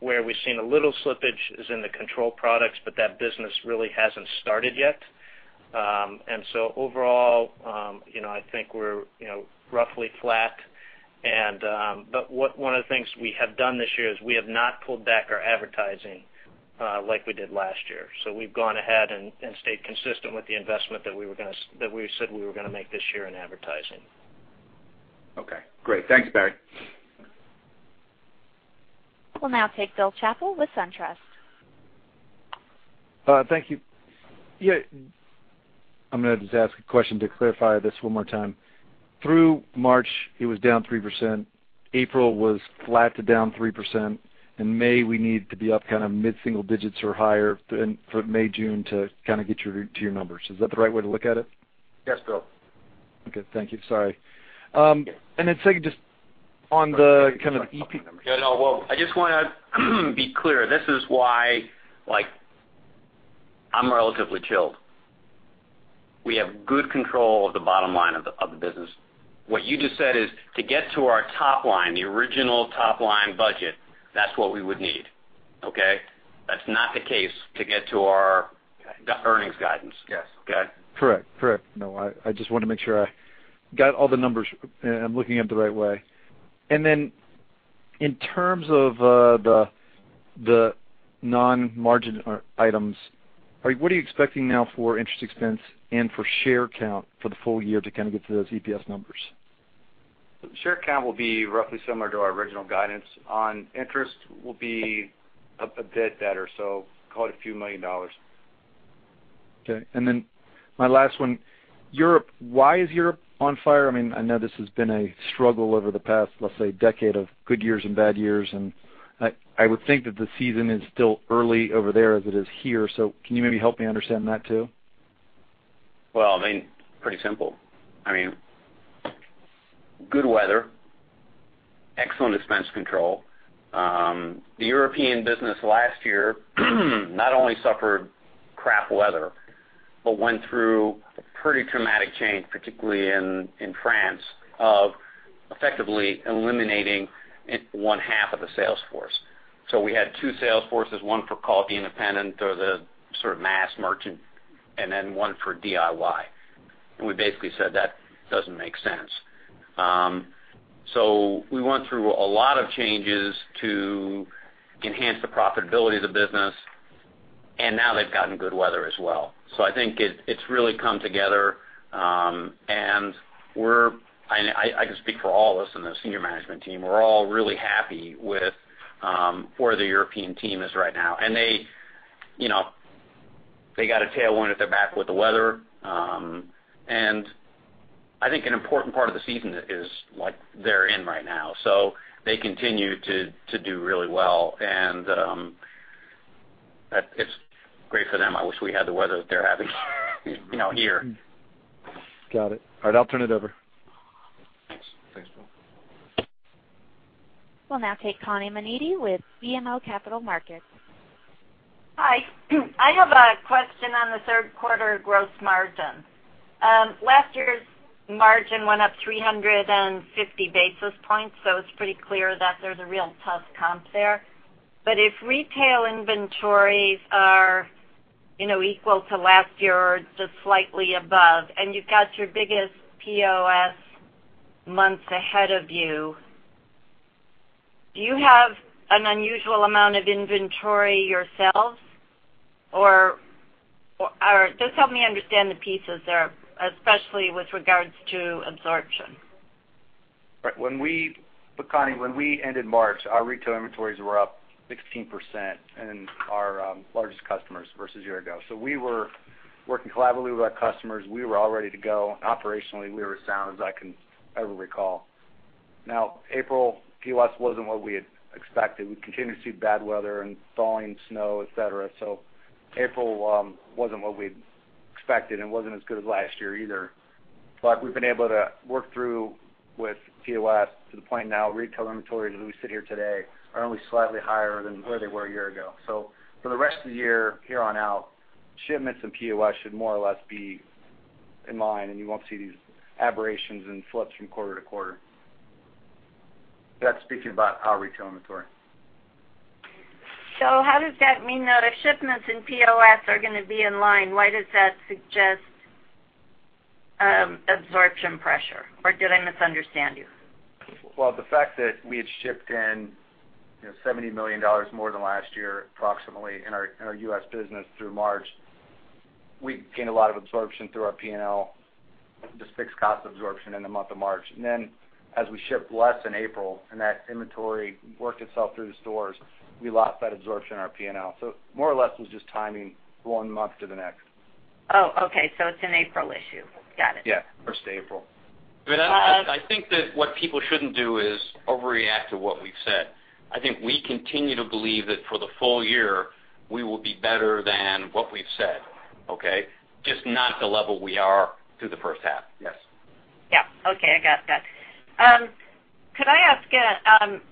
Speaker 4: Where we've seen a little slippage is in the control products, but that business really hasn't started yet. Overall, I think we're roughly flat. One of the things we have done this year is we have not pulled back our advertising like we did last year. We've gone ahead and stayed consistent with the investment that we said we were going to make this year in advertising.
Speaker 8: Okay, great. Thanks, Barry.
Speaker 1: We'll now take William Chappell with SunTrust.
Speaker 9: Thank you. Yeah, I'm going to just ask a question to clarify this one more time. Through March, it was down 3%, April was flat to down 3%, in May we need to be up kind of mid-single digits or higher for May, June to kind of get you to your numbers. Is that the right way to look at it?
Speaker 4: Yes, Bill.
Speaker 9: Okay. Thank you. Sorry. Then second.
Speaker 4: Well, I just want to be clear. This is why I'm relatively chilled. We have good control of the bottom line of the business. What you just said is to get to our top line, the original top-line budget, that's what we would need. Okay? That's not the case to get to our earnings guidance.
Speaker 9: Yes.
Speaker 4: Okay?
Speaker 9: Correct. No, I just wanted to make sure I got all the numbers and I'm looking at them the right way. Then in terms of the non-margin items, what are you expecting now for interest expense and for share count for the full year to kind of get to those EPS numbers?
Speaker 5: Share count will be roughly similar to our original guidance. On interest, we'll be a bit better, call it a few million dollars.
Speaker 9: Okay. Then my last one. Europe, why is Europe on fire? I know this has been a struggle over the past, let's say, decade of good years and bad years, and I would think that the season is still early over there as it is here. Can you maybe help me understand that too?
Speaker 4: Well, pretty simple. Good weather, excellent expense control. The European business last year not only suffered crap weather, but went through a pretty traumatic change, particularly in France, of effectively eliminating one half of the sales force. We had two sales forces, one for call it the independent or the sort of mass merchant, and then one for DIY. We basically said that doesn't make sense. We went through a lot of changes to enhance the profitability of the business, and now they've gotten good weather as well. I think it's really come together. I can speak for all of us in the senior management team, we're all really happy with where the European team is right now. They got a tailwind at their back with the weather. I think an important part of the season is they're in right now. They continue to do really well, and it's great for them. I wish we had the weather that they're having here.
Speaker 9: Got it. All right, I'll turn it over.
Speaker 4: Thanks.
Speaker 5: Thanks, Bill.
Speaker 1: We'll now take Connie Menniti with BMO Capital Markets.
Speaker 10: Hi. I have a question on the third quarter gross margin. Last year's margin went up 350 basis points, it's pretty clear that there's a real tough comp there. If retail inventories are equal to last year or just slightly above, and you've got your biggest POS months ahead of you, do you have an unusual amount of inventory yourselves? Just help me understand the pieces there, especially with regards to absorption.
Speaker 5: Right. Connie, when we ended March, our retail inventories were up 16% in our largest customers versus a year ago. We were working collaboratively with our customers. We were all ready to go. Operationally, we were as sound as I can ever recall. Now, April POS wasn't what we had expected. We continue to see bad weather and thawing snow, et cetera. April wasn't what we expected and wasn't as good as last year either. We've been able to work through with POS to the point now retail inventories, as we sit here today, are only slightly higher than where they were a year ago. For the rest of the year here on out, shipments and POS should more or less be in line, and you won't see these aberrations and flips from quarter to quarter. That's speaking about our retail inventory.
Speaker 10: How does that mean that if shipments and POS are going to be in line, why does that suggest absorption pressure? Did I misunderstand you?
Speaker 5: The fact that we had shipped in $70 million more than last year, approximately, in our U.S. business through March, we gained a lot of absorption through our P&L, just fixed cost absorption in the month of March. As we shipped less in April and that inventory worked itself through the stores, we lost that absorption in our P&L. More or less, it was just timing one month to the next.
Speaker 10: Oh, okay. It's an April issue. Got it.
Speaker 5: Yeah. First of April.
Speaker 3: I think that what people shouldn't do is overreact to what we've said. I think we continue to believe that for the full year, we will be better than what we've said, okay? Just not the level we are through the first half.
Speaker 5: Yes.
Speaker 10: Yeah. Okay. I got that. Could I ask,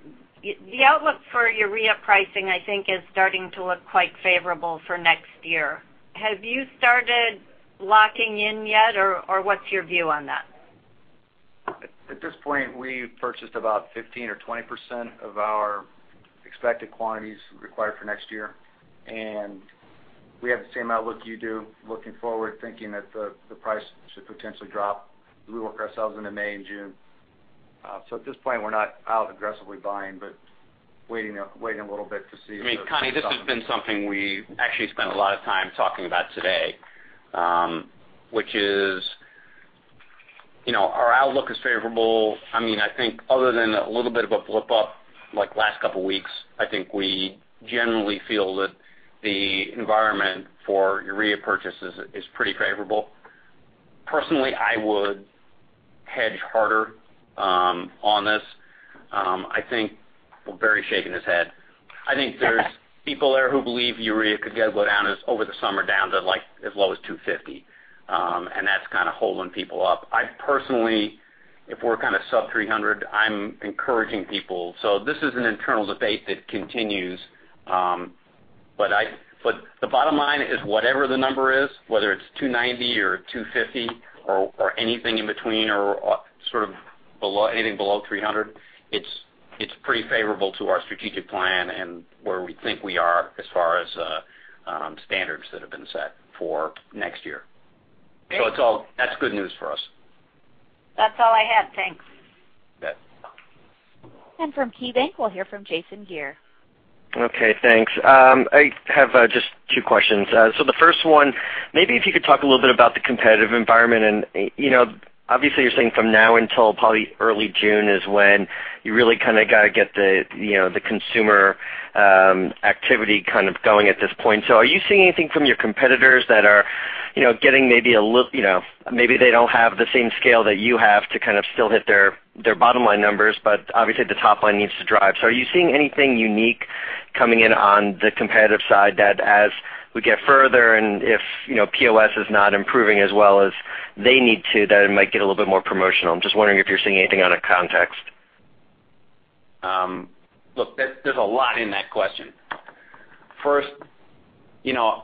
Speaker 10: the outlook for urea pricing, I think, is starting to look quite favorable for next year. Have you started locking in yet, or what's your view on that?
Speaker 5: At this point, we've purchased about 15% or 20% of our expected quantities required for next year. We have the same outlook you do, looking forward, thinking that the price should potentially drop as we work ourselves into May and June. At this point, we're not out aggressively buying, but waiting a little bit.
Speaker 3: I mean, Connie, this has been something we actually spent a lot of time talking about today, which is our outlook is favorable. I think other than a little bit of a blip up like last couple of weeks, I think we generally feel that the environment for urea purchases is pretty favorable. Personally, I would hedge harder on this. Barry's shaking his head. I think there's people there who believe urea could go down over the summer, down to as low as $250. That's kind of holding people up. I personally, if we're kind of sub $300, I'm encouraging people. This is an internal debate that continues. The bottom line is whatever the number is, whether it's $290 or $250 or anything in between or sort of anything below $300, it's pretty favorable to our strategic plan and where we think we are as far as standards that have been set for next year. That's good news for us.
Speaker 10: That's all I had. Thanks.
Speaker 5: You bet.
Speaker 1: From KeyBank, we'll hear from Jason Geer.
Speaker 11: Okay, thanks. I have just two questions. The first one, maybe if you could talk a little bit about the competitive environment and obviously you're saying from now until probably early June is when you really kind of got to get the consumer activity kind of going at this point. Are you seeing anything from your competitors that are getting maybe they don't have the same scale that you have to kind of still hit their bottom line numbers, but obviously the top line needs to drive. Are you seeing anything unique coming in on the competitive side that as we get further and if POS is not improving as well as they need to, that it might get a little bit more promotional? I'm just wondering if you're seeing anything out of context.
Speaker 3: Look, there's a lot in that question. First, I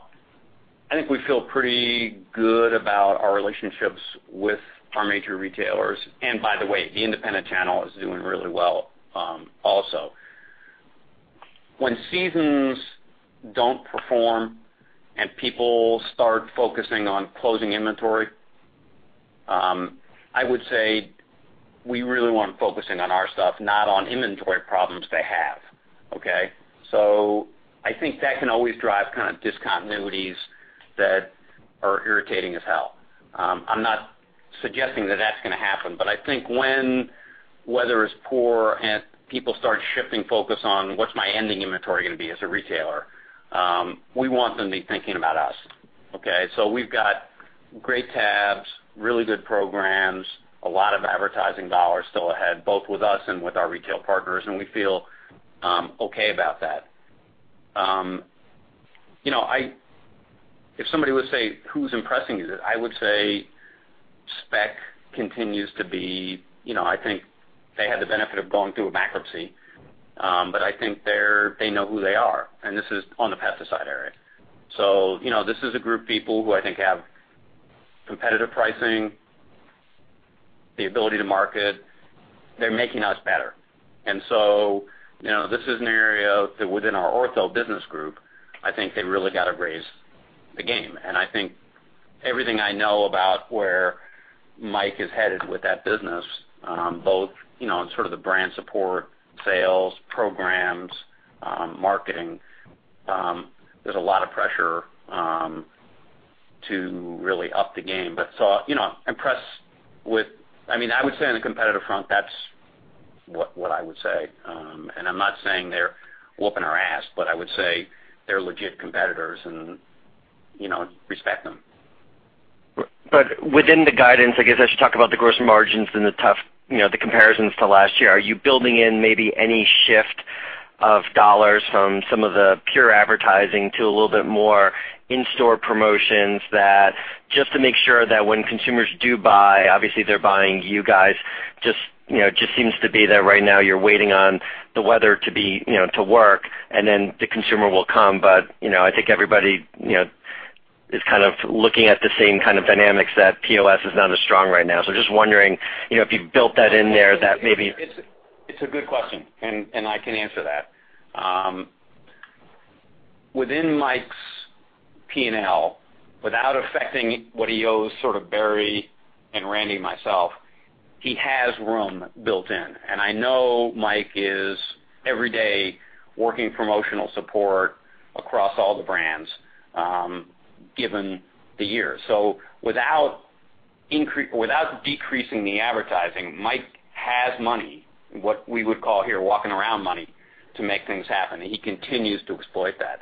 Speaker 3: think we feel pretty good about our relationships with our major retailers. By the way, the independent channel is doing really well also. When seasons don't perform and people start focusing on closing inventory, I would say we really want them focusing on our stuff, not on inventory problems they have, okay? I think that can always drive kind of discontinuities that are irritating as hell. I'm not suggesting that that's going to happen, but I think when weather is poor and people start shifting focus on what's my ending inventory going to be as a retailer, we want them to be thinking about us, okay? We've got great tabs, really good programs, a lot of advertising dollars still ahead, both with us and with our retail partners, and we feel okay about that. If somebody would say, "Who's impressing you?" I would say Spectrum Brands continues to be. I think they had the benefit of going through a bankruptcy. I think they know who they are, and this is on the pesticide area. This is a group of people who I think have competitive pricing, the ability to market. They're making us better. This is an area that within our Ortho Business Group, I think they really got to raise the game. I think everything I know about where Mike is headed with that business, both in sort of the brand support, sales, programs, marketing, there's a lot of pressure to really up the game. I would say on the competitive front, that's what I would say. I'm not saying they're whooping our ass, but I would say they're legit competitors and respect them.
Speaker 11: Within the guidance, I should talk about the gross margins and the comparisons to last year. Are you building in maybe any shift of dollars from some of the pure advertising to a little bit more in-store promotions, just to make sure that when consumers do buy, obviously they're buying you guys. Just seems to be that right now you're waiting on the weather to work, then the consumer will come. I think everybody is looking at the same kind of dynamics, that POS is not as strong right now. Just wondering if you've built that in there.
Speaker 3: It's a good question, I can answer that. Within Mike's P&L, without affecting what he owes Barry and Randy and myself, he has room built in. I know Mike is, every day, working promotional support across all the brands, given the year. Without decreasing the advertising, Mike has money, what we would call here walking around money, to make things happen, he continues to exploit that.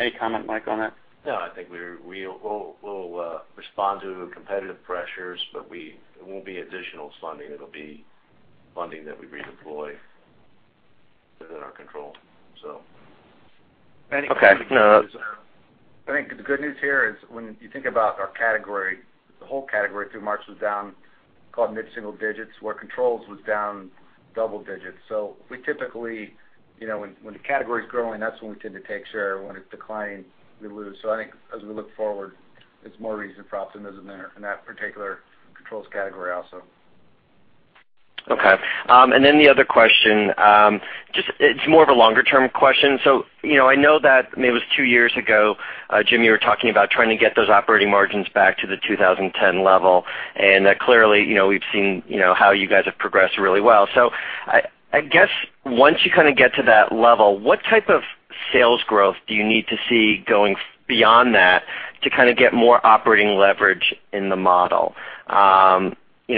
Speaker 3: Any comment, Mike, on that?
Speaker 4: I think we'll respond to competitive pressures, it won't be additional funding. It'll be funding that we redeploy within our control.
Speaker 11: Okay.
Speaker 3: I think the good news here is when you think about our category, the whole category through March was down mid-single digits, where controls was down double digits. We typically, when the category's growing, that's when we tend to take share. When it's declining, we lose. I think as we look forward, there's more reason for optimism there in that particular controls category also.
Speaker 11: Okay. The other question, it's more of a longer-term question. I know that, maybe it was two years ago, Jim, you were talking about trying to get those operating margins back to the 2010 level. Clearly, we've seen how you guys have progressed really well. I guess once you get to that level, what type of sales growth do you need to see going beyond that to get more operating leverage in the model?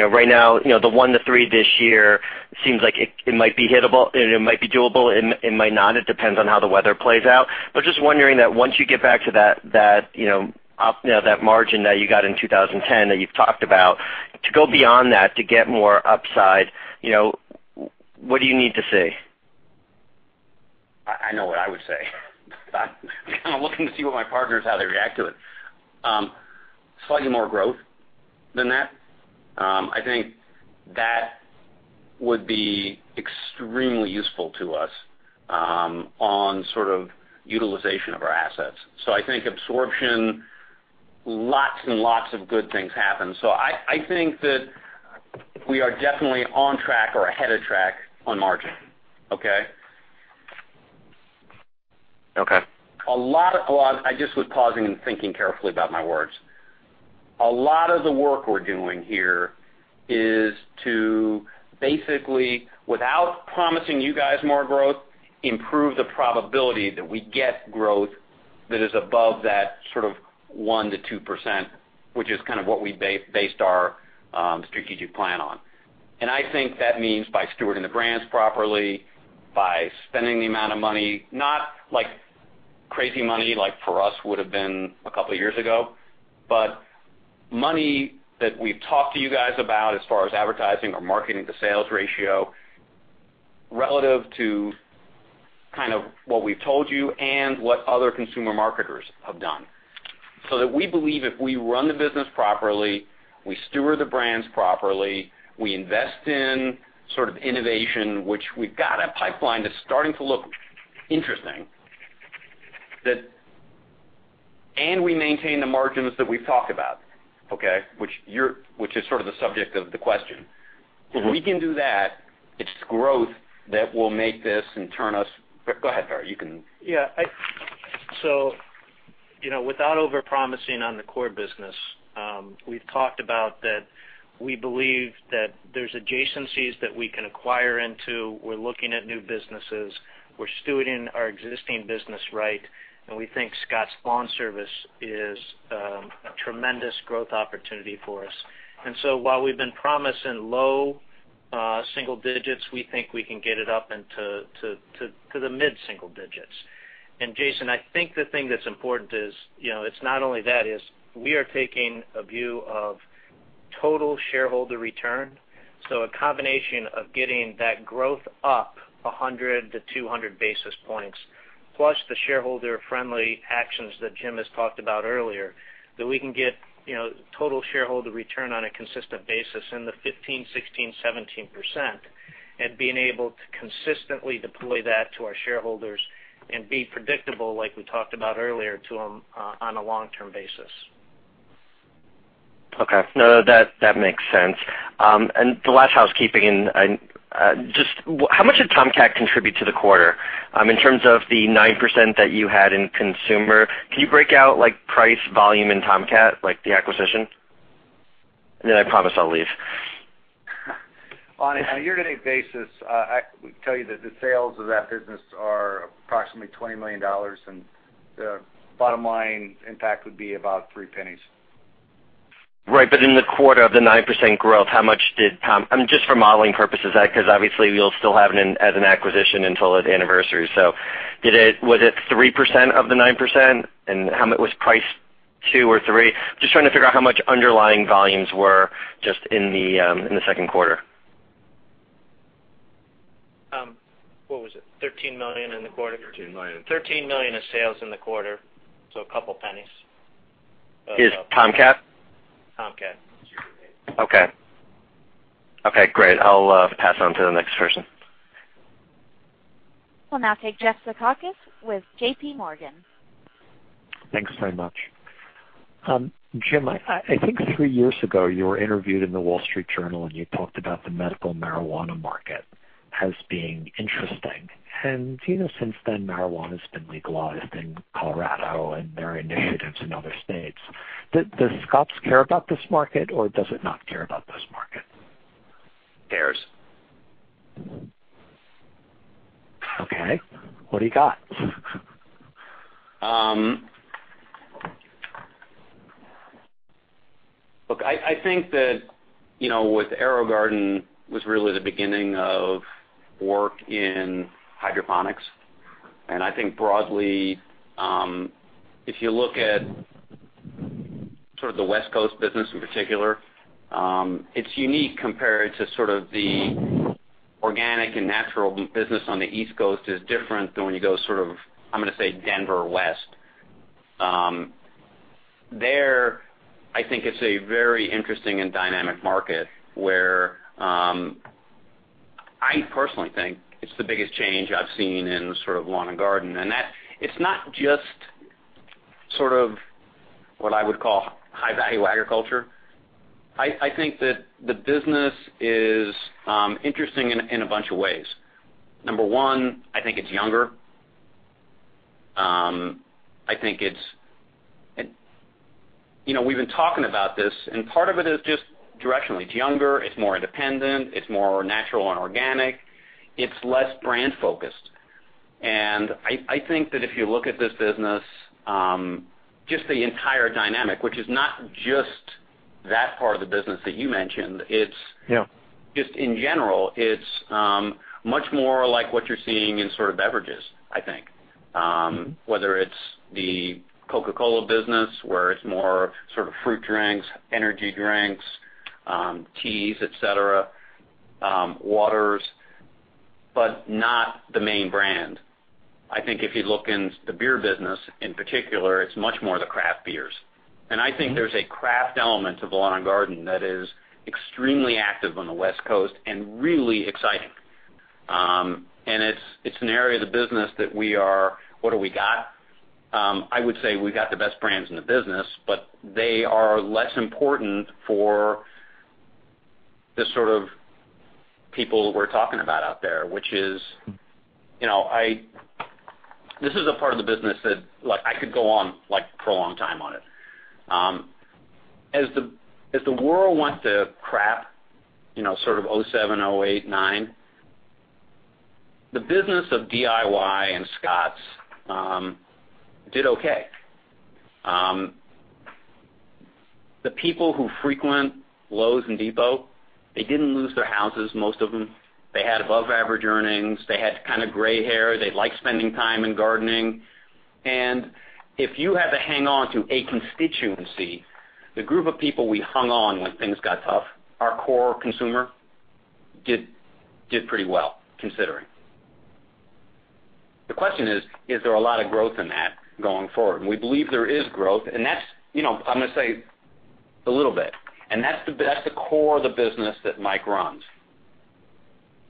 Speaker 11: Right now, the one to three this year seems like it might be hittable, it might be doable, it might not. It depends on how the weather plays out. Just wondering that once you get back to that margin that you got in 2010 that you've talked about, to go beyond that, to get more upside, what do you need to see?
Speaker 3: I know what I would say. I'm kind of looking to see what my partners, how they react to it. Slightly more growth than that. I think that would be extremely useful to us on utilization of our assets. I think absorption, lots and lots of good things happen. I think that we are definitely on track or ahead of track on margin. Okay?
Speaker 11: Okay.
Speaker 3: I just was pausing and thinking carefully about my words. A lot of the work we're doing here is to basically, without promising you guys more growth, improve the probability that we get growth that is above that 1%-2%, which is what we based our strategic plan on. I think that means by stewarding the brands properly, by spending the amount of money, not crazy money like for us would've been a couple of years ago, but money that we've talked to you guys about as far as advertising or marketing to sales ratio, relative to what we've told you and what other consumer marketers have done. We believe if we run the business properly, we steward the brands properly, we invest in innovation, which we've got a pipeline that's starting to look interesting, and we maintain the margins that we've talked about. Okay? Which is the subject of the question. If we can do that, it's growth that will make this and turn us. Go ahead, Barry. You can.
Speaker 4: Yeah. Without over-promising on the core business, we've talked about that we believe that there's adjacencies that we can acquire into. We're looking at new businesses. We're stewarding our existing business right, and we think Scotts LawnService is a tremendous growth opportunity for us. While we've been promising low single digits, we think we can get it up into the mid-single digits. Jason, I think the thing that's important is, it's not only that, is we are taking a view of total shareholder return. A combination of getting that growth up 100-200 basis points, plus the shareholder-friendly actions that Jim has talked about earlier, that we can get total shareholder return on a consistent basis in the 15%, 16%, 17%, being able to consistently deploy that to our shareholders and be predictable, like we talked about earlier, to them on a long-term basis.
Speaker 11: No, that makes sense. The last housekeeping, just how much did Tomcat contribute to the quarter? In terms of the 9% that you had in consumer, can you break out price, volume in Tomcat, like the acquisition? Then I promise I'll leave.
Speaker 3: On a year-to-date basis, I would tell you that the sales of that business are approximately $20 million, and the bottom line impact would be about $0.03.
Speaker 11: Right. In the quarter of the 9% growth, how much? Just for modeling purposes, because obviously you'll still have it in as an acquisition until its anniversary. Was it 3% of the 9%? How it was priced, two or three? Just trying to figure out how much underlying volumes were just in the second quarter.
Speaker 4: What was it, $13 million in the quarter?
Speaker 2: $13 million.
Speaker 4: $13 million of sales in the quarter, so $0.02.
Speaker 11: Is Tomcat?
Speaker 4: Tomcat.
Speaker 2: It's your baby.
Speaker 11: Okay. Great. I'll pass on to the next person.
Speaker 1: We'll now take Jeff Zekauskas with JPMorgan.
Speaker 12: Thanks very much. Jim, I think three years ago, you were interviewed in The Wall Street Journal. You talked about the medical marijuana market as being interesting. Since then, marijuana's been legalized in Colorado, and there are initiatives in other states. Does Scotts care about this market, or does it not care about this market?
Speaker 3: Cares.
Speaker 12: Okay, what do you got?
Speaker 3: Look, I think that with AeroGarden was really the beginning of work in hydroponics. I think broadly, if you look at sort of the West Coast business in particular, it's unique compared to sort of the organic and natural business on the East Coast is different than when you go sort of, I'm going to say Denver West. There, I think it's a very interesting and dynamic market where I personally think it's the biggest change I've seen in sort of lawn and garden. It's not just sort of what I would call high-value agriculture. I think that the business is interesting in a bunch of ways. Number one, I think it's younger. We've been talking about this, and part of it is just directionally, it's younger, it's more independent, it's more natural and organic. It's less brand-focused.
Speaker 11: I think that if you look at this business, just the entire dynamic, which is not just that part of the business that you mentioned.
Speaker 12: Yeah.
Speaker 3: Just in general, it's much more like what you're seeing in sort of beverages, I think. Whether it's The Coca-Cola business, where it's more sort of fruit drinks, energy drinks, teas, et cetera, waters, but not the main brand. I think if you look in the beer business in particular, it's much more the craft beers. I think there's a craft element to lawn and garden that is extremely active on the West Coast and really exciting. It's an area of the business that we are. What have we got? I would say we've got the best brands in the business, but they are less important for the sort of people we're talking about out there. This is a part of the business that I could go on for a long time on it.
Speaker 11: As the world went to crap, sort of 2007, 2008, 2009, the business of DIY and Scotts did okay. The people who frequent Lowe's and Depot, they didn't lose their houses, most of them. They had above-average earnings. They had kind of gray hair. They liked spending time in gardening. If you had to hang on to a constituency, the group of people we hung on when things got tough, our core consumer did pretty well, considering. The question is, Is there a lot of growth in that going forward? We believe there is growth. That's, I'm going to say, a little bit. That's the core of the business that Mike runs.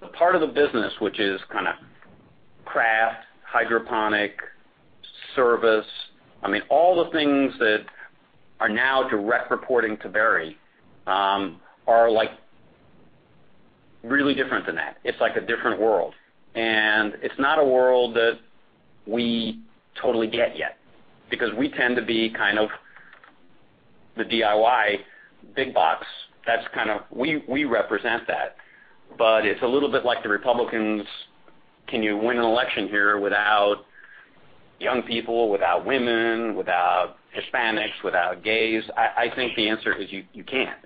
Speaker 11: The part of the business, which is kind of craft, hydroponic, service. I mean, all the things that are now direct reporting to Barry are really different than that. It's like a different world, it's not a world that we totally get yet because we tend to be kind of the DIY big box. We represent that. It's a little bit like the Republicans, can you win an election here without young people, without women, without Hispanics, without gays? I think the answer is you can't.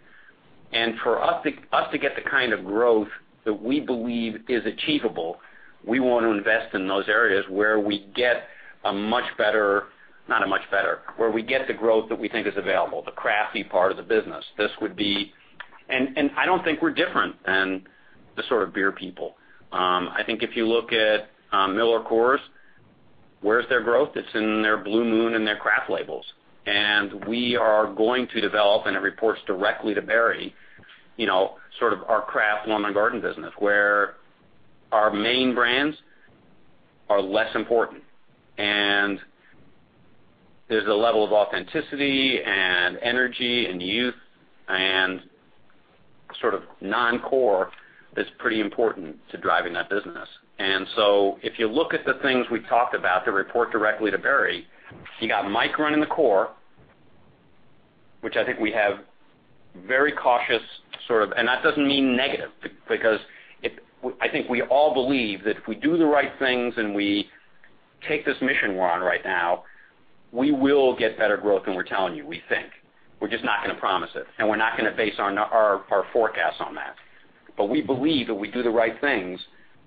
Speaker 11: For us to get the kind of growth that we believe is achievable, we want to invest in those areas where we get the growth that we think is available, the crafty part of the business. I don't think we're different than the sort of beer people. I think if you look at MillerCoors, where's their growth? It's in their Blue Moon and their craft labels. We are going to develop, and it reports directly to Barry, sort of our craft lawn and garden business, where our main brands are less important. There's a level of authenticity and energy and youth and sort of non-core that's pretty important to driving that business. If you look at the things we talked about that report directly to Barry, you got Mike running the core, which I think we have very cautious, and that doesn't mean negative, because I think we all believe that if we do the right things and we
Speaker 3: Take this mission we're on right now, we will get better growth than we're telling you, we think. We're just not going to promise it, and we're not going to base our forecasts on that. We believe if we do the right things,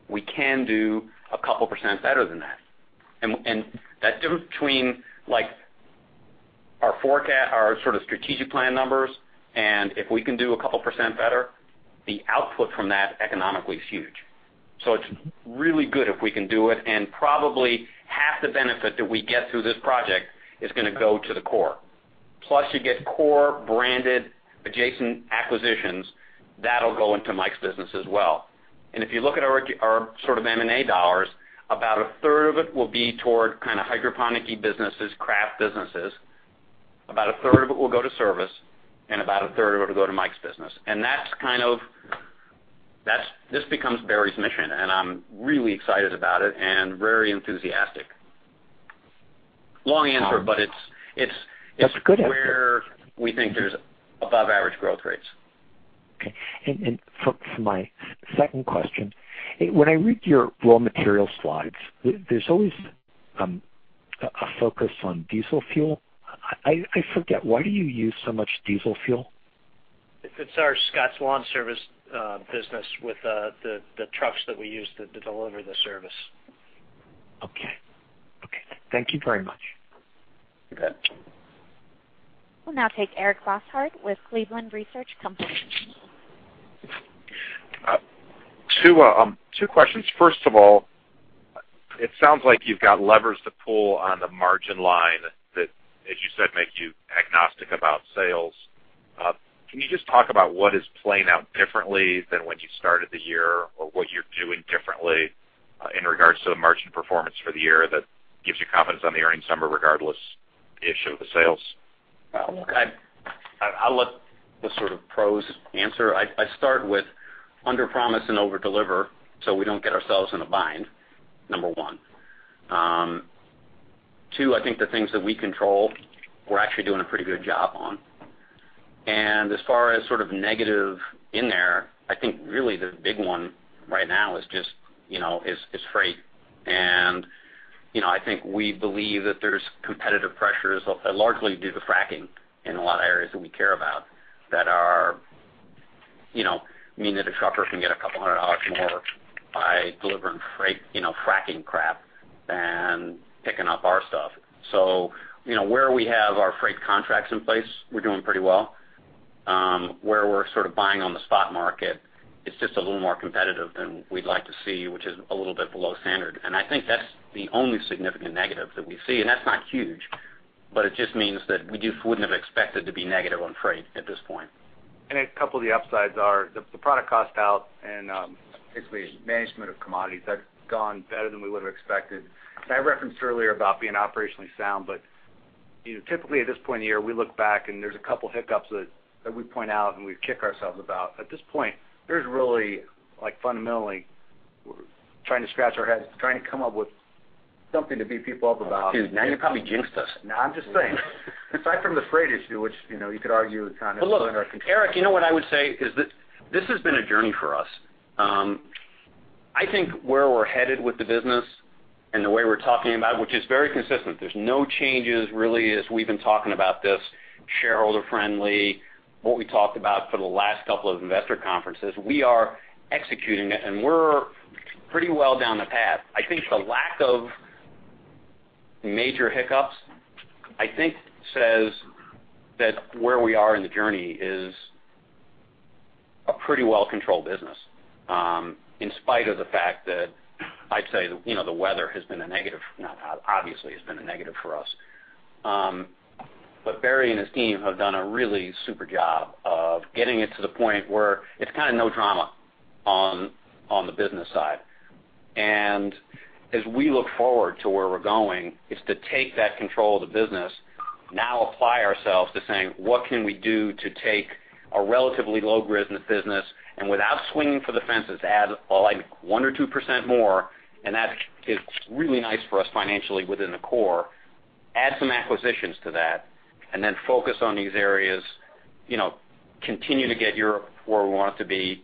Speaker 3: we can do a couple % better than that. That difference between our forecast, our sort of strategic plan numbers, and if we can do a couple % better, the output from that economically is huge. It's really good if we can do it, and probably half the benefit that we get through this project is going to go to the core. Plus you get core branded adjacent acquisitions. That'll go into Mike's business as well. If you look at our sort of M&A dollars, about a third of it will be toward kind of hydroponic-y businesses, craft businesses, about a third of it will go to service, and about a third of it will go to Mike's business. This becomes Barry's mission, and I'm really excited about it and very enthusiastic. Long answer, but it's.
Speaker 12: That's a good answer
Speaker 3: where we think there's above average growth rates.
Speaker 12: Okay. For my second question, when I read your raw material slides, there's always a focus on diesel fuel. I forget, why do you use so much diesel fuel?
Speaker 4: It's our Scotts LawnService business with the trucks that we use to deliver the service.
Speaker 12: Okay. Thank you very much.
Speaker 3: You bet.
Speaker 1: We'll now take Eric Bouchard with Cleveland Research Company.
Speaker 13: Two questions. First of all, it sounds like you've got levers to pull on the margin line that, as you said, make you agnostic about sales. Can you just talk about what is playing out differently than when you started the year or what you're doing differently in regards to the margin performance for the year that gives you confidence on the earnings number regardless the issue of the sales?
Speaker 3: Look, I'll let the sort of pros answer. I start with underpromise and overdeliver so we don't get ourselves in a bind, number one. Two, I think the things that we control, we're actually doing a pretty good job on. As far as sort of negative in there, I think really the big one right now is freight. I think we believe that there's competitive pressures largely due to fracking in a lot of areas that we care about, that mean that a trucker can get $200 more by delivering freight, fracking crap, than picking up our stuff. Where we have our freight contracts in place, we're doing pretty well. Where we're sort of buying on the spot market, it's just a little more competitive than we'd like to see, which is a little bit below standard. I think that's the only significant negative that we see. That's not huge, but it just means that we just wouldn't have expected to be negative on freight at this point.
Speaker 2: A couple of the upsides are the product cost out and basically management of commodities that have gone better than we would've expected. I referenced earlier about being operationally sound, but typically at this point in the year, we look back and there's a couple hiccups that we point out and we kick ourselves about. At this point, there's really, like fundamentally, we're trying to scratch our heads, trying to come up with something to beat people up about.
Speaker 3: Dude, now you probably jinxed us.
Speaker 2: I'm just saying. Aside from the freight issue, which you could argue kind of.
Speaker 3: Look, Eric, you know what I would say is that this has been a journey for us. I think where we're headed with the business and the way we're talking about it, which is very consistent, there's no changes really as we've been talking about this, shareholder friendly, what we talked about for the last couple of investor conferences. We are executing it and we're pretty well down the path. I think the lack of major hiccups says that where we are in the journey is a pretty well-controlled business. In spite of the fact that I'd say the weather has been a negative, obviously has been a negative for us. Barry and his team have done a really super job of getting it to the point where it's kind of no drama on the business side. As we look forward to where we're going, it's to take that control of the business, now apply ourselves to saying, what can we do to take a relatively low-risk business, and without swinging for the fences, add like 1 or 2% more, and that is really nice for us financially within the core, add some acquisitions to that, then focus on these areas, continue to get Europe where we want it to be,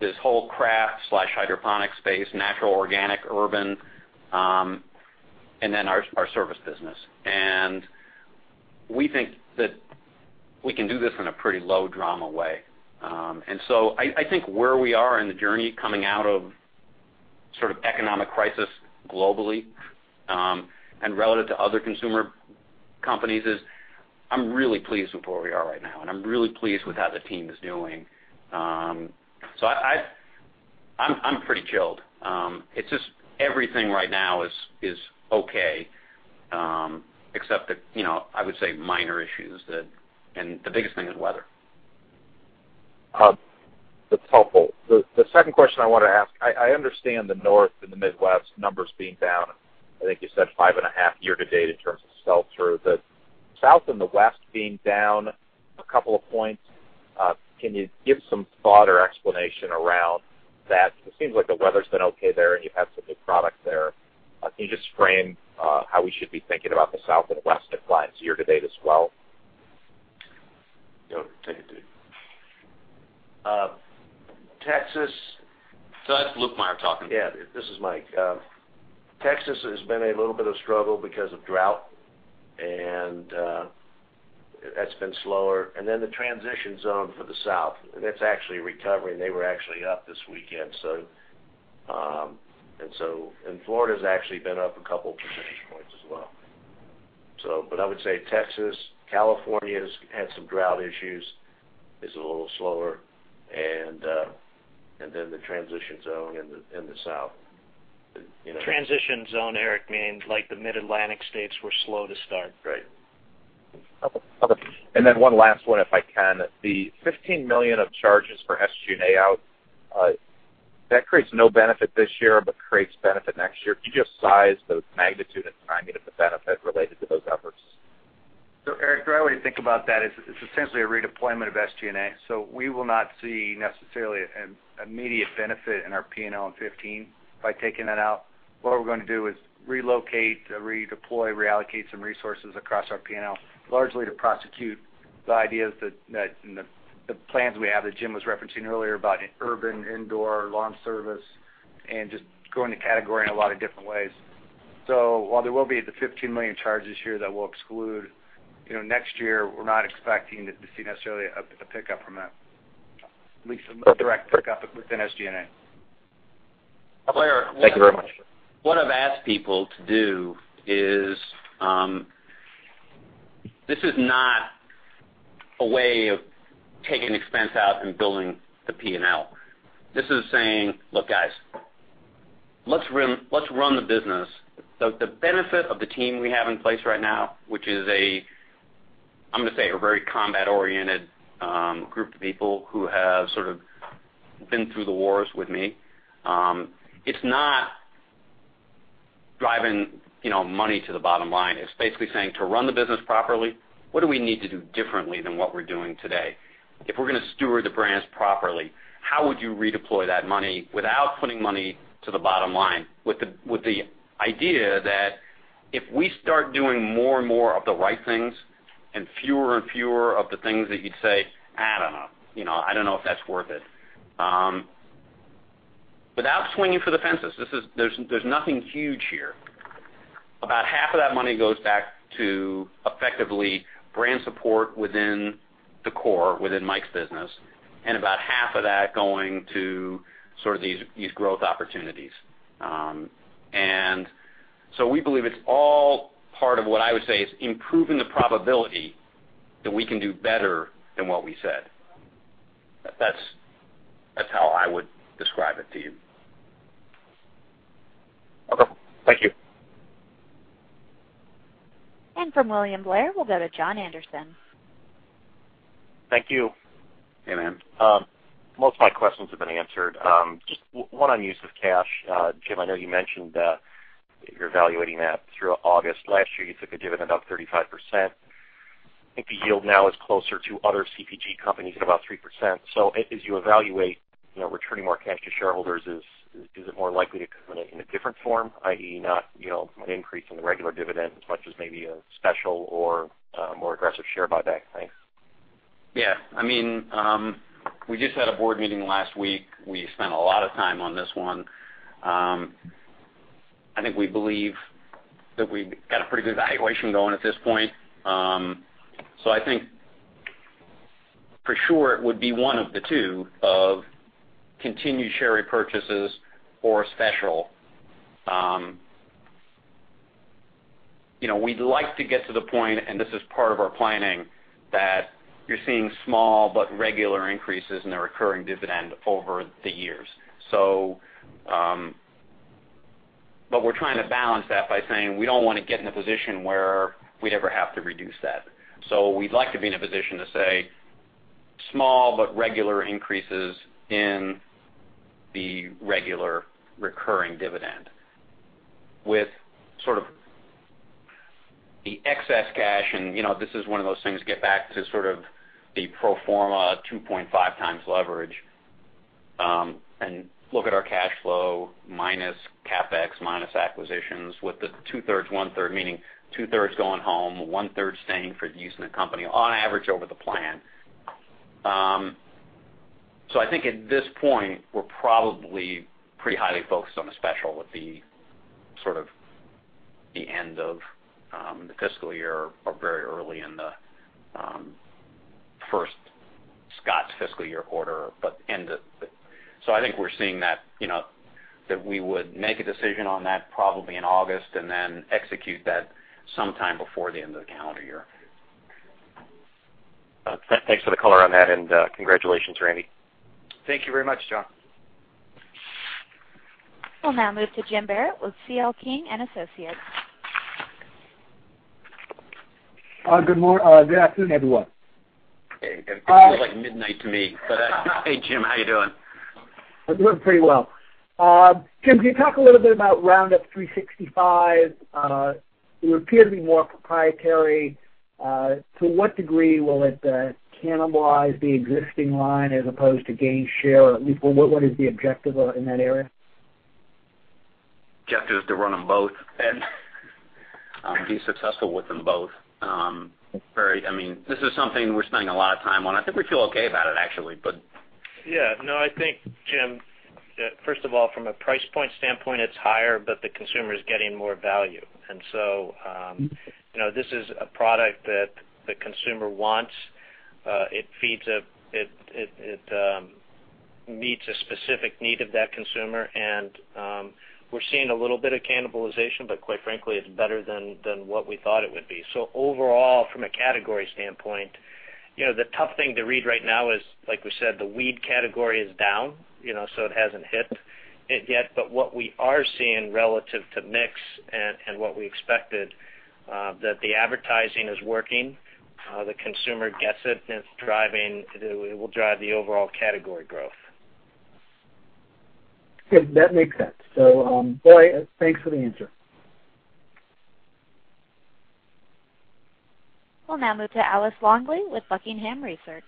Speaker 3: this whole craft/hydroponic space, natural, organic, urban, and then our service business. We think that we can do this in a pretty low drama way. I think where we are in the journey coming out of sort of economic crisis globally, and relative to other consumer companies is I'm really pleased with where we are right now, and I'm really pleased with how the team is doing. I'm pretty chilled. It's just everything right now is okay, except that I would say minor issues, and the biggest thing is weather.
Speaker 13: That's helpful. The second question I want to ask, I understand the North and the Midwest numbers being down, I think you said five and a half year-to-date in terms of sell-through. The South and the West being down a couple of points, can you give some thought or explanation around that? It seems like the weather's been okay there and you've had some good products there. Can you just frame how we should be thinking about the South and West year-to-date as well?
Speaker 14: Texas-
Speaker 13: That's Mike Lukemire talking.
Speaker 14: Yeah. This is Mike. Texas has been a little bit of a struggle because of drought, and that's been slower. The transition zone for the South, that's actually recovering. They were actually up this weekend. Florida's actually been up a couple of percentage points as well. I would say Texas, California's had some drought issues, is a little slower, and then the transition zone in the South.
Speaker 15: Transition zone, Eric, means the Mid-Atlantic states were slow to start.
Speaker 3: Right.
Speaker 13: Okay. One last one, if I can. The $15 million of charges for SG&A out, that creates no benefit this year but creates benefit next year. Could you just size the magnitude and timing of the benefit related to those efforts?
Speaker 5: Eric, the way to think about that is it's essentially a redeployment of SG&A. We will not see necessarily an immediate benefit in our P&L in 2015 by taking that out. What we're going to do is relocate, redeploy, reallocate some resources across our P&L, largely to prosecute the ideas and the plans we have that Jim was referencing earlier about urban indoor lawn service and just grow in the category in a lot of different ways. While there will be the $15 million charges here that we'll exclude, next year, we're not expecting to see necessarily a pickup from that. At least a direct pickup within SG&A.
Speaker 13: Thank you very much.
Speaker 3: What I've asked people to do is, this is not a way of taking expense out and building the P&L. This is saying, "Look, guys, let's run the business." The benefit of the team we have in place right now, which is, I'm going to say, a very combat-oriented group of people who have sort of been through the wars with me. It's not driving money to the bottom line. It's basically saying to run the business properly, what do we need to do differently than what we're doing today? If we're going to steward the brands properly, how would you redeploy that money without putting money to the bottom line? With the idea that if we start doing more and more of the right things and fewer and fewer of the things that you'd say, "I don't know if that's worth it." Without swinging for the fences. There's nothing huge here. About half of that money goes back to effectively brand support within the core, within Mike's business, about half of that going to sort of these growth opportunities. We believe it's all part of what I would say is improving the probability that we can do better than what we said. That's how I would describe it to you.
Speaker 13: Okay. Thank you.
Speaker 1: From William Blair, we'll go to Jon Andersen.
Speaker 16: Thank you.
Speaker 3: Hey, man.
Speaker 16: Most of my questions have been answered. Just one on use of cash. Jim, I know you mentioned that you're evaluating that through August. Last year, you took a dividend of 35%. I think the yield now is closer to other CPG companies at about 3%. As you evaluate returning more cash to shareholders, is it more likely to come in a different form, i.e., not an increase in the regular dividend as much as maybe a special or a more aggressive share buyback? Thanks.
Speaker 3: Yeah. We just had a board meeting last week. We spent a lot of time on this one. I think we believe that we've got a pretty good valuation going at this point. I think, for sure, it would be one of the two of continued share repurchases or a special. We'd like to get to the point, and this is part of our planning, that you're seeing small but regular increases in the recurring dividend over the years. We're trying to balance that by saying we don't want to get in a position where we'd ever have to reduce that. We'd like to be in a position to say small but regular increases in the regular recurring dividend with sort of the excess cash. This is one of those things, get back to sort of the pro forma 2.5 times leverage. Look at our cash flow minus CapEx, minus acquisitions, with the two-thirds, one-third, meaning two-thirds going home, one-third staying for use in the company on average over the plan. I think at this point, we're probably pretty highly focused on the special at the sort of end of the fiscal year or very early in the first Scotts fiscal year quarter. I think we're seeing that we would make a decision on that probably in August and then execute that sometime before the end of the calendar year.
Speaker 16: Thanks for the color on that, and congratulations, Randy.
Speaker 3: Thank you very much, Jon.
Speaker 1: We'll now move to Jim Barrett with C.L. King & Associates.
Speaker 15: Good morning. Good afternoon, everyone.
Speaker 3: Hey, Jim. Feels like midnight to me, hey, Jim. How you doing?
Speaker 15: I'm doing pretty well. Jim, can you talk a little bit about Roundup 365? You appear to be more proprietary. To what degree will it cannibalize the existing line as opposed to gain share? At least, what is the objective in that area?
Speaker 3: objectives to run them both and be successful with them both. This is something we're spending a lot of time on. I think we feel okay about it, actually.
Speaker 4: Yeah. No, I think, Jim, first of all, from a price point standpoint, it's higher, the consumer is getting more value. This is a product that the consumer wants. It meets a specific need of that consumer, we're seeing a little bit of cannibalization, quite frankly, it's better than what we thought it would be. Overall, from a category standpoint, the tough thing to read right now is, like we said, the weed category is down, it hasn't hit it yet. What we are seeing relative to mix and what we expected, that the advertising is working, the consumer gets it, and it will drive the overall category growth.
Speaker 3: That makes sense. Boy, thanks for the answer.
Speaker 1: We'll now move to Alice Longley with Buckingham Research.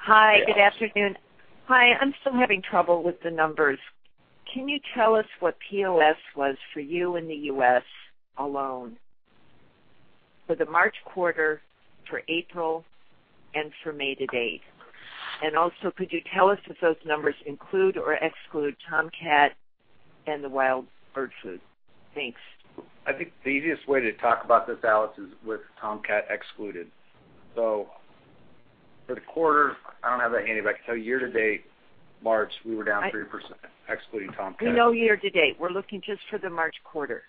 Speaker 17: Hi, good afternoon. Hi, I'm still having trouble with the numbers. Can you tell us what POS was for you in the U.S. alone for the March quarter, for April, and for May to date? Also, could you tell us if those numbers include or exclude Tomcat and the Wild Bird Food? Thanks.
Speaker 5: I think the easiest way to talk about this, Alice, is with Tomcat excluded. For the quarter, I don't have that handy, but I can tell you year to date, March, we were down 3% excluding Tomcat.
Speaker 17: We know year to date. We're looking just for the March quarter.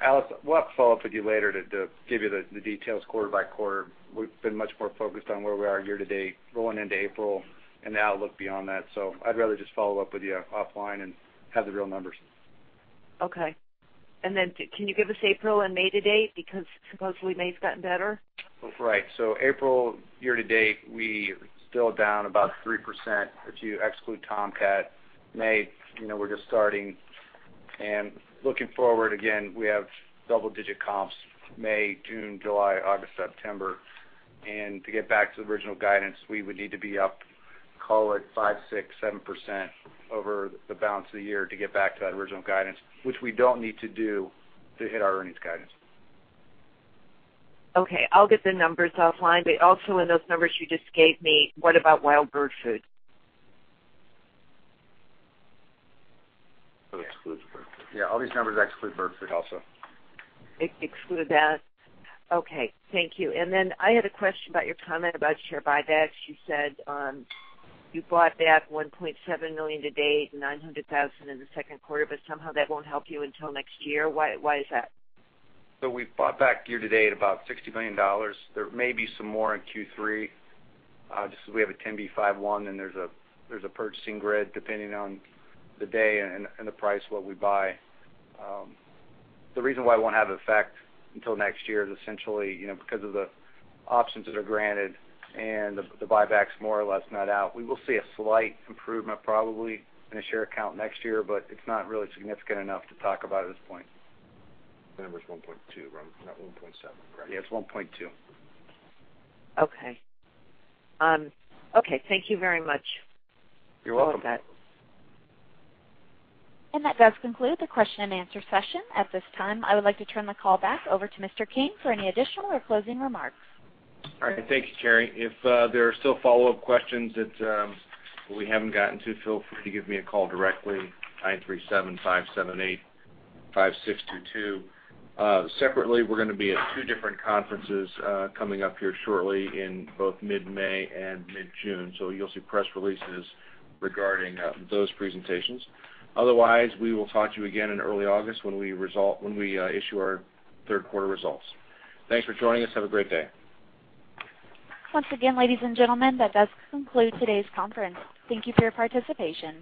Speaker 5: Alice, we'll have to follow up with you later to give you the details quarter by quarter. We've been much more focused on where we are year to date going into April and the outlook beyond that. I'd rather just follow up with you offline and have the real numbers.
Speaker 17: Okay. Can you give us April and May to date? Because supposedly May's gotten better.
Speaker 5: Right. April year to date, we're still down about 3% if you exclude Tomcat. May, we're just starting. Looking forward again, we have double-digit comps, May, June, July, August, September. To get back to the original guidance, we would need to be up, call it 5%, 6%, 7% over the balance of the year to get back to that original guidance, which we don't need to do to hit our earnings guidance.
Speaker 17: Okay. I'll get the numbers offline. Also in those numbers you just gave me, what about Wild Bird Food?
Speaker 3: Exclude Bird Food.
Speaker 5: Yeah, all these numbers exclude Bird Food also.
Speaker 17: Exclude that. Okay, thank you. Then I had a question about your comment about share buybacks. You said you bought back $1.7 million to date and $900,000 in the second quarter, but somehow that won't help you until next year. Why is that?
Speaker 5: We've bought back year to date about $60 million. There may be some more in Q3, just because we have a 10b5-1, and there's a purchasing grid depending on the day and the price, what we buy. The reason why it won't have effect until next year is essentially because of the options that are granted and the buyback's more or less not out. We will see a slight improvement probably in the share count next year, but it's not really significant enough to talk about at this point.
Speaker 3: The number is 1.2, not 1.7, correct?
Speaker 5: Yeah, it's 1.2.
Speaker 17: Okay. Thank you very much.
Speaker 5: You're welcome.
Speaker 17: That's it.
Speaker 1: That does conclude the question and answer session. At this time, I would like to turn the call back over to Mr. King for any additional or closing remarks.
Speaker 2: All right. Thank you, Carrie. If there are still follow-up questions that we haven't gotten to, feel free to give me a call directly, 937-578-5622. Separately, we're going to be at two different conferences coming up here shortly in both mid-May and mid-June. You'll see press releases regarding those presentations. Otherwise, we will talk to you again in early August when we issue our third-quarter results. Thanks for joining us. Have a great day.
Speaker 1: Once again, ladies and gentlemen, that does conclude today's conference. Thank you for your participation.